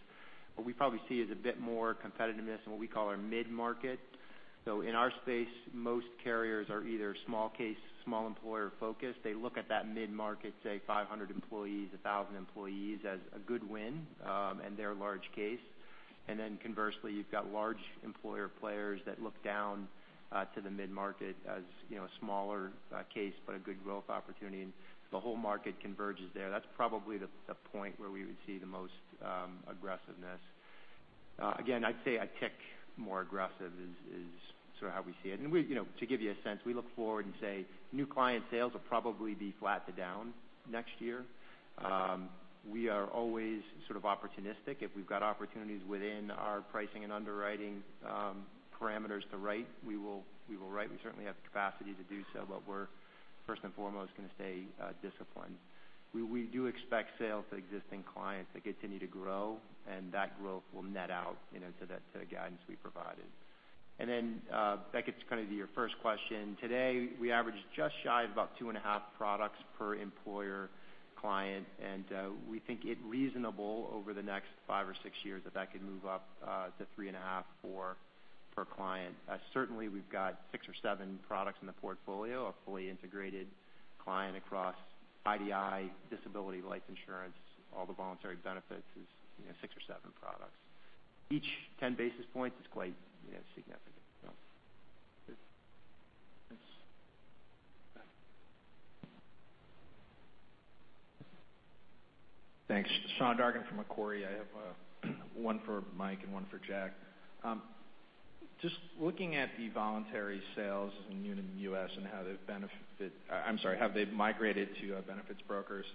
What we probably see is a bit more competitiveness in what we call our mid-market. In our space, most carriers are either small case, small employer focused. They look at that mid-market, say 500 employees, 1,000 employees, as a good win, and they're a large case. Conversely, you've got large employer players that look down to the mid-market as a smaller case, but a good growth opportunity, and the whole market converges there. That's probably the point where we would see the most aggressiveness. Again, I'd say a tick more aggressive is sort of how we see it. To give you a sense, we look forward and say, new client sales will probably be flat to down next year. We are always sort of opportunistic. If we've got opportunities within our pricing and underwriting parameters to write, we will write. We certainly have the capacity to do so, but we're first and foremost going to stay disciplined. We do expect sales to existing clients to continue to grow, and that growth will net out to the guidance we provided. That gets kind of to your first question. Today, we average just shy of about two and a half products per employer client, and we think it reasonable over the next five or six years that that could move up to three and a half, four per client. Certainly, we've got six or seven products in the portfolio, a fully integrated client across IDI, disability, life insurance, all the voluntary benefits is six or seven products. Each 10 basis points is quite significant. Yes, Beth. Thanks. Sean Dargan from Macquarie. I have one for Mike and one for Jack. Looking at the voluntary sales in the U.S. and how they've migrated to benefits brokers.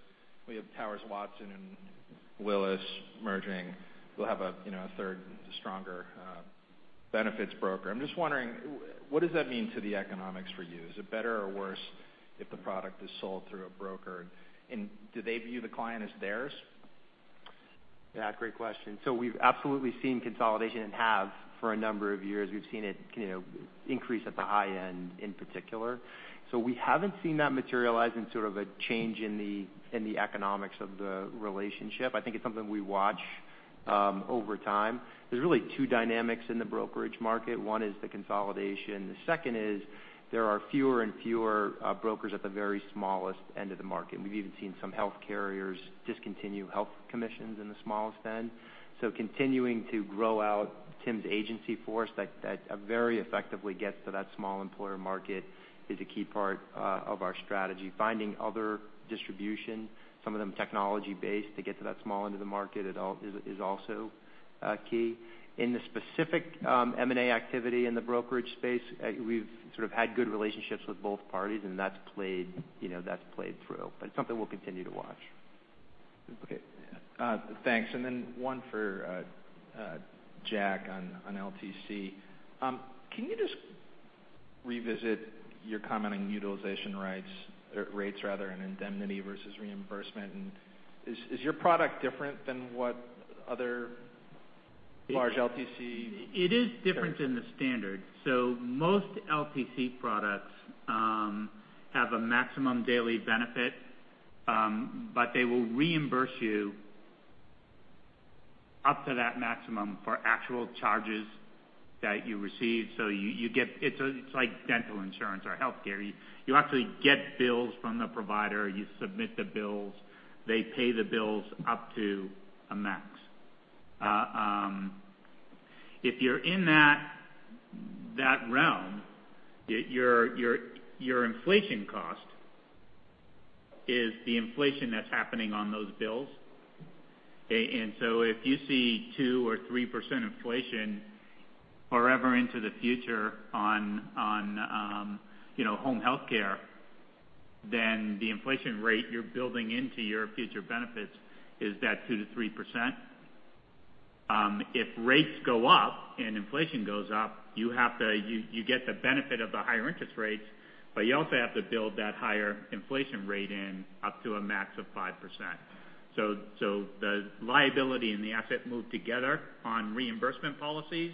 We have Towers Watson and Willis merging, we'll have a third stronger benefits broker. I'm just wondering, what does that mean to the economics for you? Is it better or worse if the product is sold through a broker? Do they view the client as theirs? Great question. We've absolutely seen consolidation and have for a number of years. We've seen it increase at the high end in particular. We haven't seen that materialize in sort of a change in the economics of the relationship. I think it's something we watch over time. There's really two dynamics in the brokerage market. One is the consolidation, the second is there are fewer and fewer brokers at the very smallest end of the market. We've even seen some health carriers discontinue health commissions in the smallest end. Continuing to grow out Tim's agency force that very effectively gets to that small employer market is a key part of our strategy. Finding other distribution, some of them technology-based, to get to that small end of the market is also key. In the specific M&A activity in the brokerage space, we've sort of had good relationships with both parties. That's played through. It's something we'll continue to watch. Okay. Thanks. Then one for Jack on LTC. Can you just revisit your comment on utilization rates and indemnity versus reimbursement, is your product different than what other large LTC- It is different than the standard. Most LTC products have a maximum daily benefit, but they will reimburse you up to that maximum for actual charges that you receive. It's like dental insurance or healthcare. You actually get bills from the provider, you submit the bills, they pay the bills up to a max. If you're in that realm, your inflation cost is the inflation that's happening on those bills. If you see 2% or 3% inflation forever into the future on home healthcare, then the inflation rate you're building into your future benefits is that 2%-3%. If rates go up and inflation goes up, you get the benefit of the higher interest rates, but you also have to build that higher inflation rate in up to a max of 5%. The liability and the asset move together on reimbursement policies.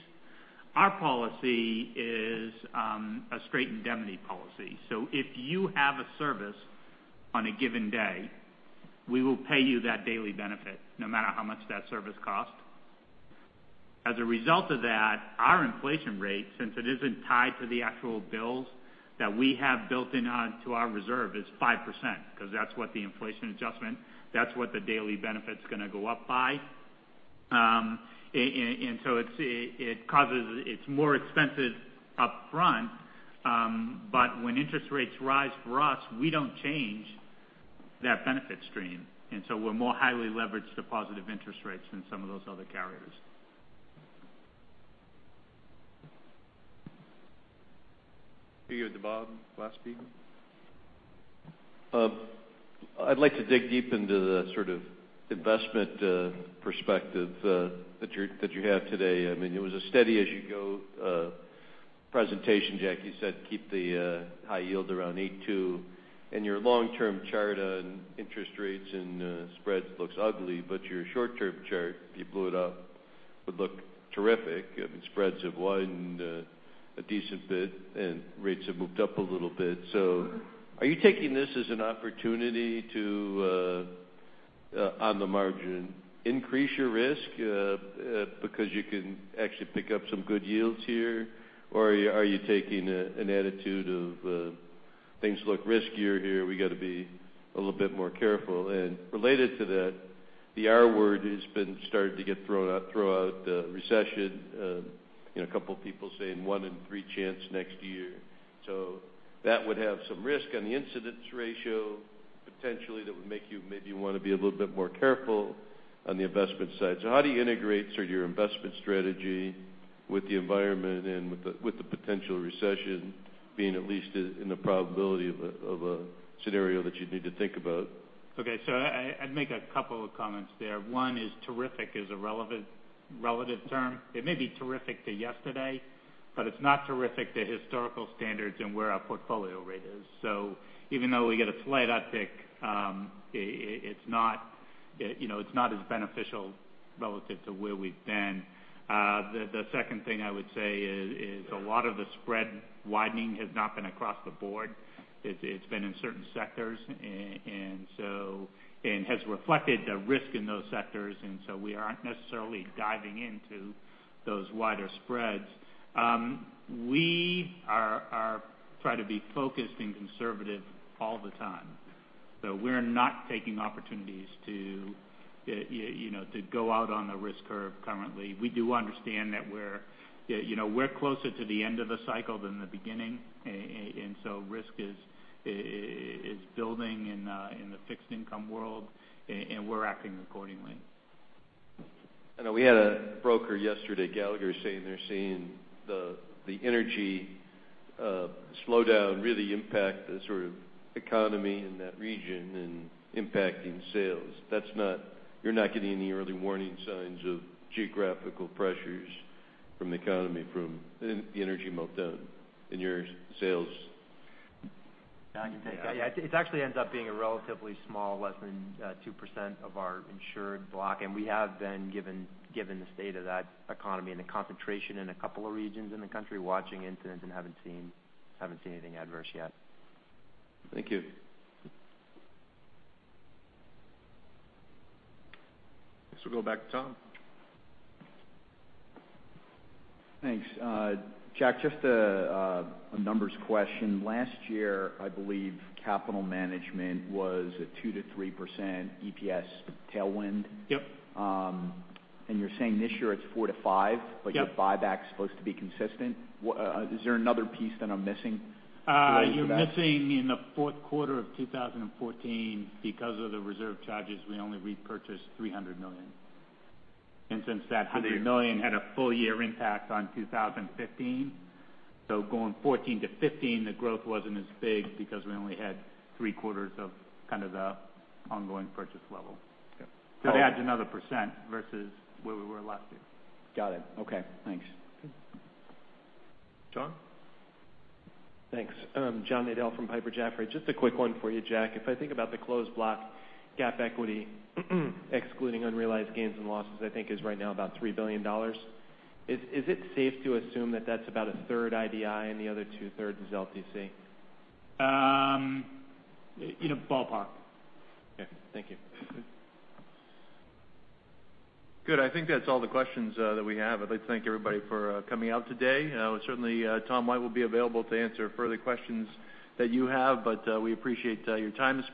Our policy is a straight indemnity policy. If you have a service on a given day, we will pay you that daily benefit, no matter how much that service costs. As a result of that, our inflation rate, since it isn't tied to the actual bills that we have built in to our reserve, is 5%, because that's what the inflation adjustment, that's what the daily benefit's going to go up by. It's more expensive up front, but when interest rates rise for us, we don't change that benefit stream. We're more highly leveraged to positive interest rates than some of those other carriers. Figure with Bob, last speaker. I'd like to dig deep into the sort of investment perspective that you have today. It was a steady as you go presentation, Jack. You said keep the high yield around 8.2. Your long-term chart on interest rates and spreads looks ugly, but your short-term chart, if you blew it up, would look terrific. Spreads have widened a decent bit, and rates have moved up a little bit. Are you taking this as an opportunity to, on the margin, increase your risk because you can actually pick up some good yields here? Or are you taking an attitude of things look riskier here, we've got to be a little bit more careful? Related to that, the R word has been starting to get thrown out throughout the recession. A couple of people saying one in three chance next year. That would have some risk on the incidence ratio, potentially, that would make you maybe want to be a little bit more careful on the investment side. How do you integrate your investment strategy with the environment and with the potential recession being at least in the probability of a scenario that you'd need to think about? Okay. I'd make a couple of comments there. One is terrific is a relative term. It may be terrific to yesterday, it's not terrific to historical standards and where our portfolio rate is. Even though we get a slight uptick, it's not as beneficial relative to where we've been. The second thing I would say is a lot of the spread widening has not been across the board. It's been in certain sectors and has reflected the risk in those sectors. We aren't necessarily diving into those wider spreads. We try to be focused and conservative all the time. We're not taking opportunities to go out on the risk curve currently. We do understand that we're closer to the end of the cycle than the beginning, risk is building in the fixed income world, and we're acting accordingly. I know we had a broker yesterday, Gallagher, saying they're seeing the energy slowdown really impact the economy in that region and impacting sales. You're not getting any early warning signs of geographical pressures from the economy, from the energy meltdown in your sales? I can take that. It actually ends up being a relatively small, less than 2% of our insured block. We have been given the state of that economy and the concentration in a couple of regions in the country watching incidence and haven't seen anything adverse yet. Thank you. Guess we'll go back to Tom. Thanks. Jack, just a numbers question. Last year, I believe capital management was a 2% to 3% EPS tailwind. Yep. You're saying this year it's 4% to 5%? Yep. Your buyback's supposed to be consistent. Is there another piece that I'm missing related to that? You're missing in the fourth quarter of 2014 because of the reserve charges, we only repurchased $300 million. Since that $100 million had a full year impact on 2015, going 2014 to 2015, the growth wasn't as big because we only had three quarters of the ongoing purchase level. Okay. It adds another % versus where we were last year. Got it. Okay, thanks. John? Thanks. John Nadel from Piper Jaffray. Just a quick one for you, Jack. If I think about the closed block, GAAP equity, excluding unrealized gains and losses, I think is right now about $3 billion. Is it safe to assume that that's about a third IDI and the other two-thirds is LTC? Ballpark. Okay. Thank you. Good. I think that's all the questions that we have. I'd like to thank everybody for coming out today. Certainly, Tom White will be available to answer further questions that you have. We appreciate your time this morning.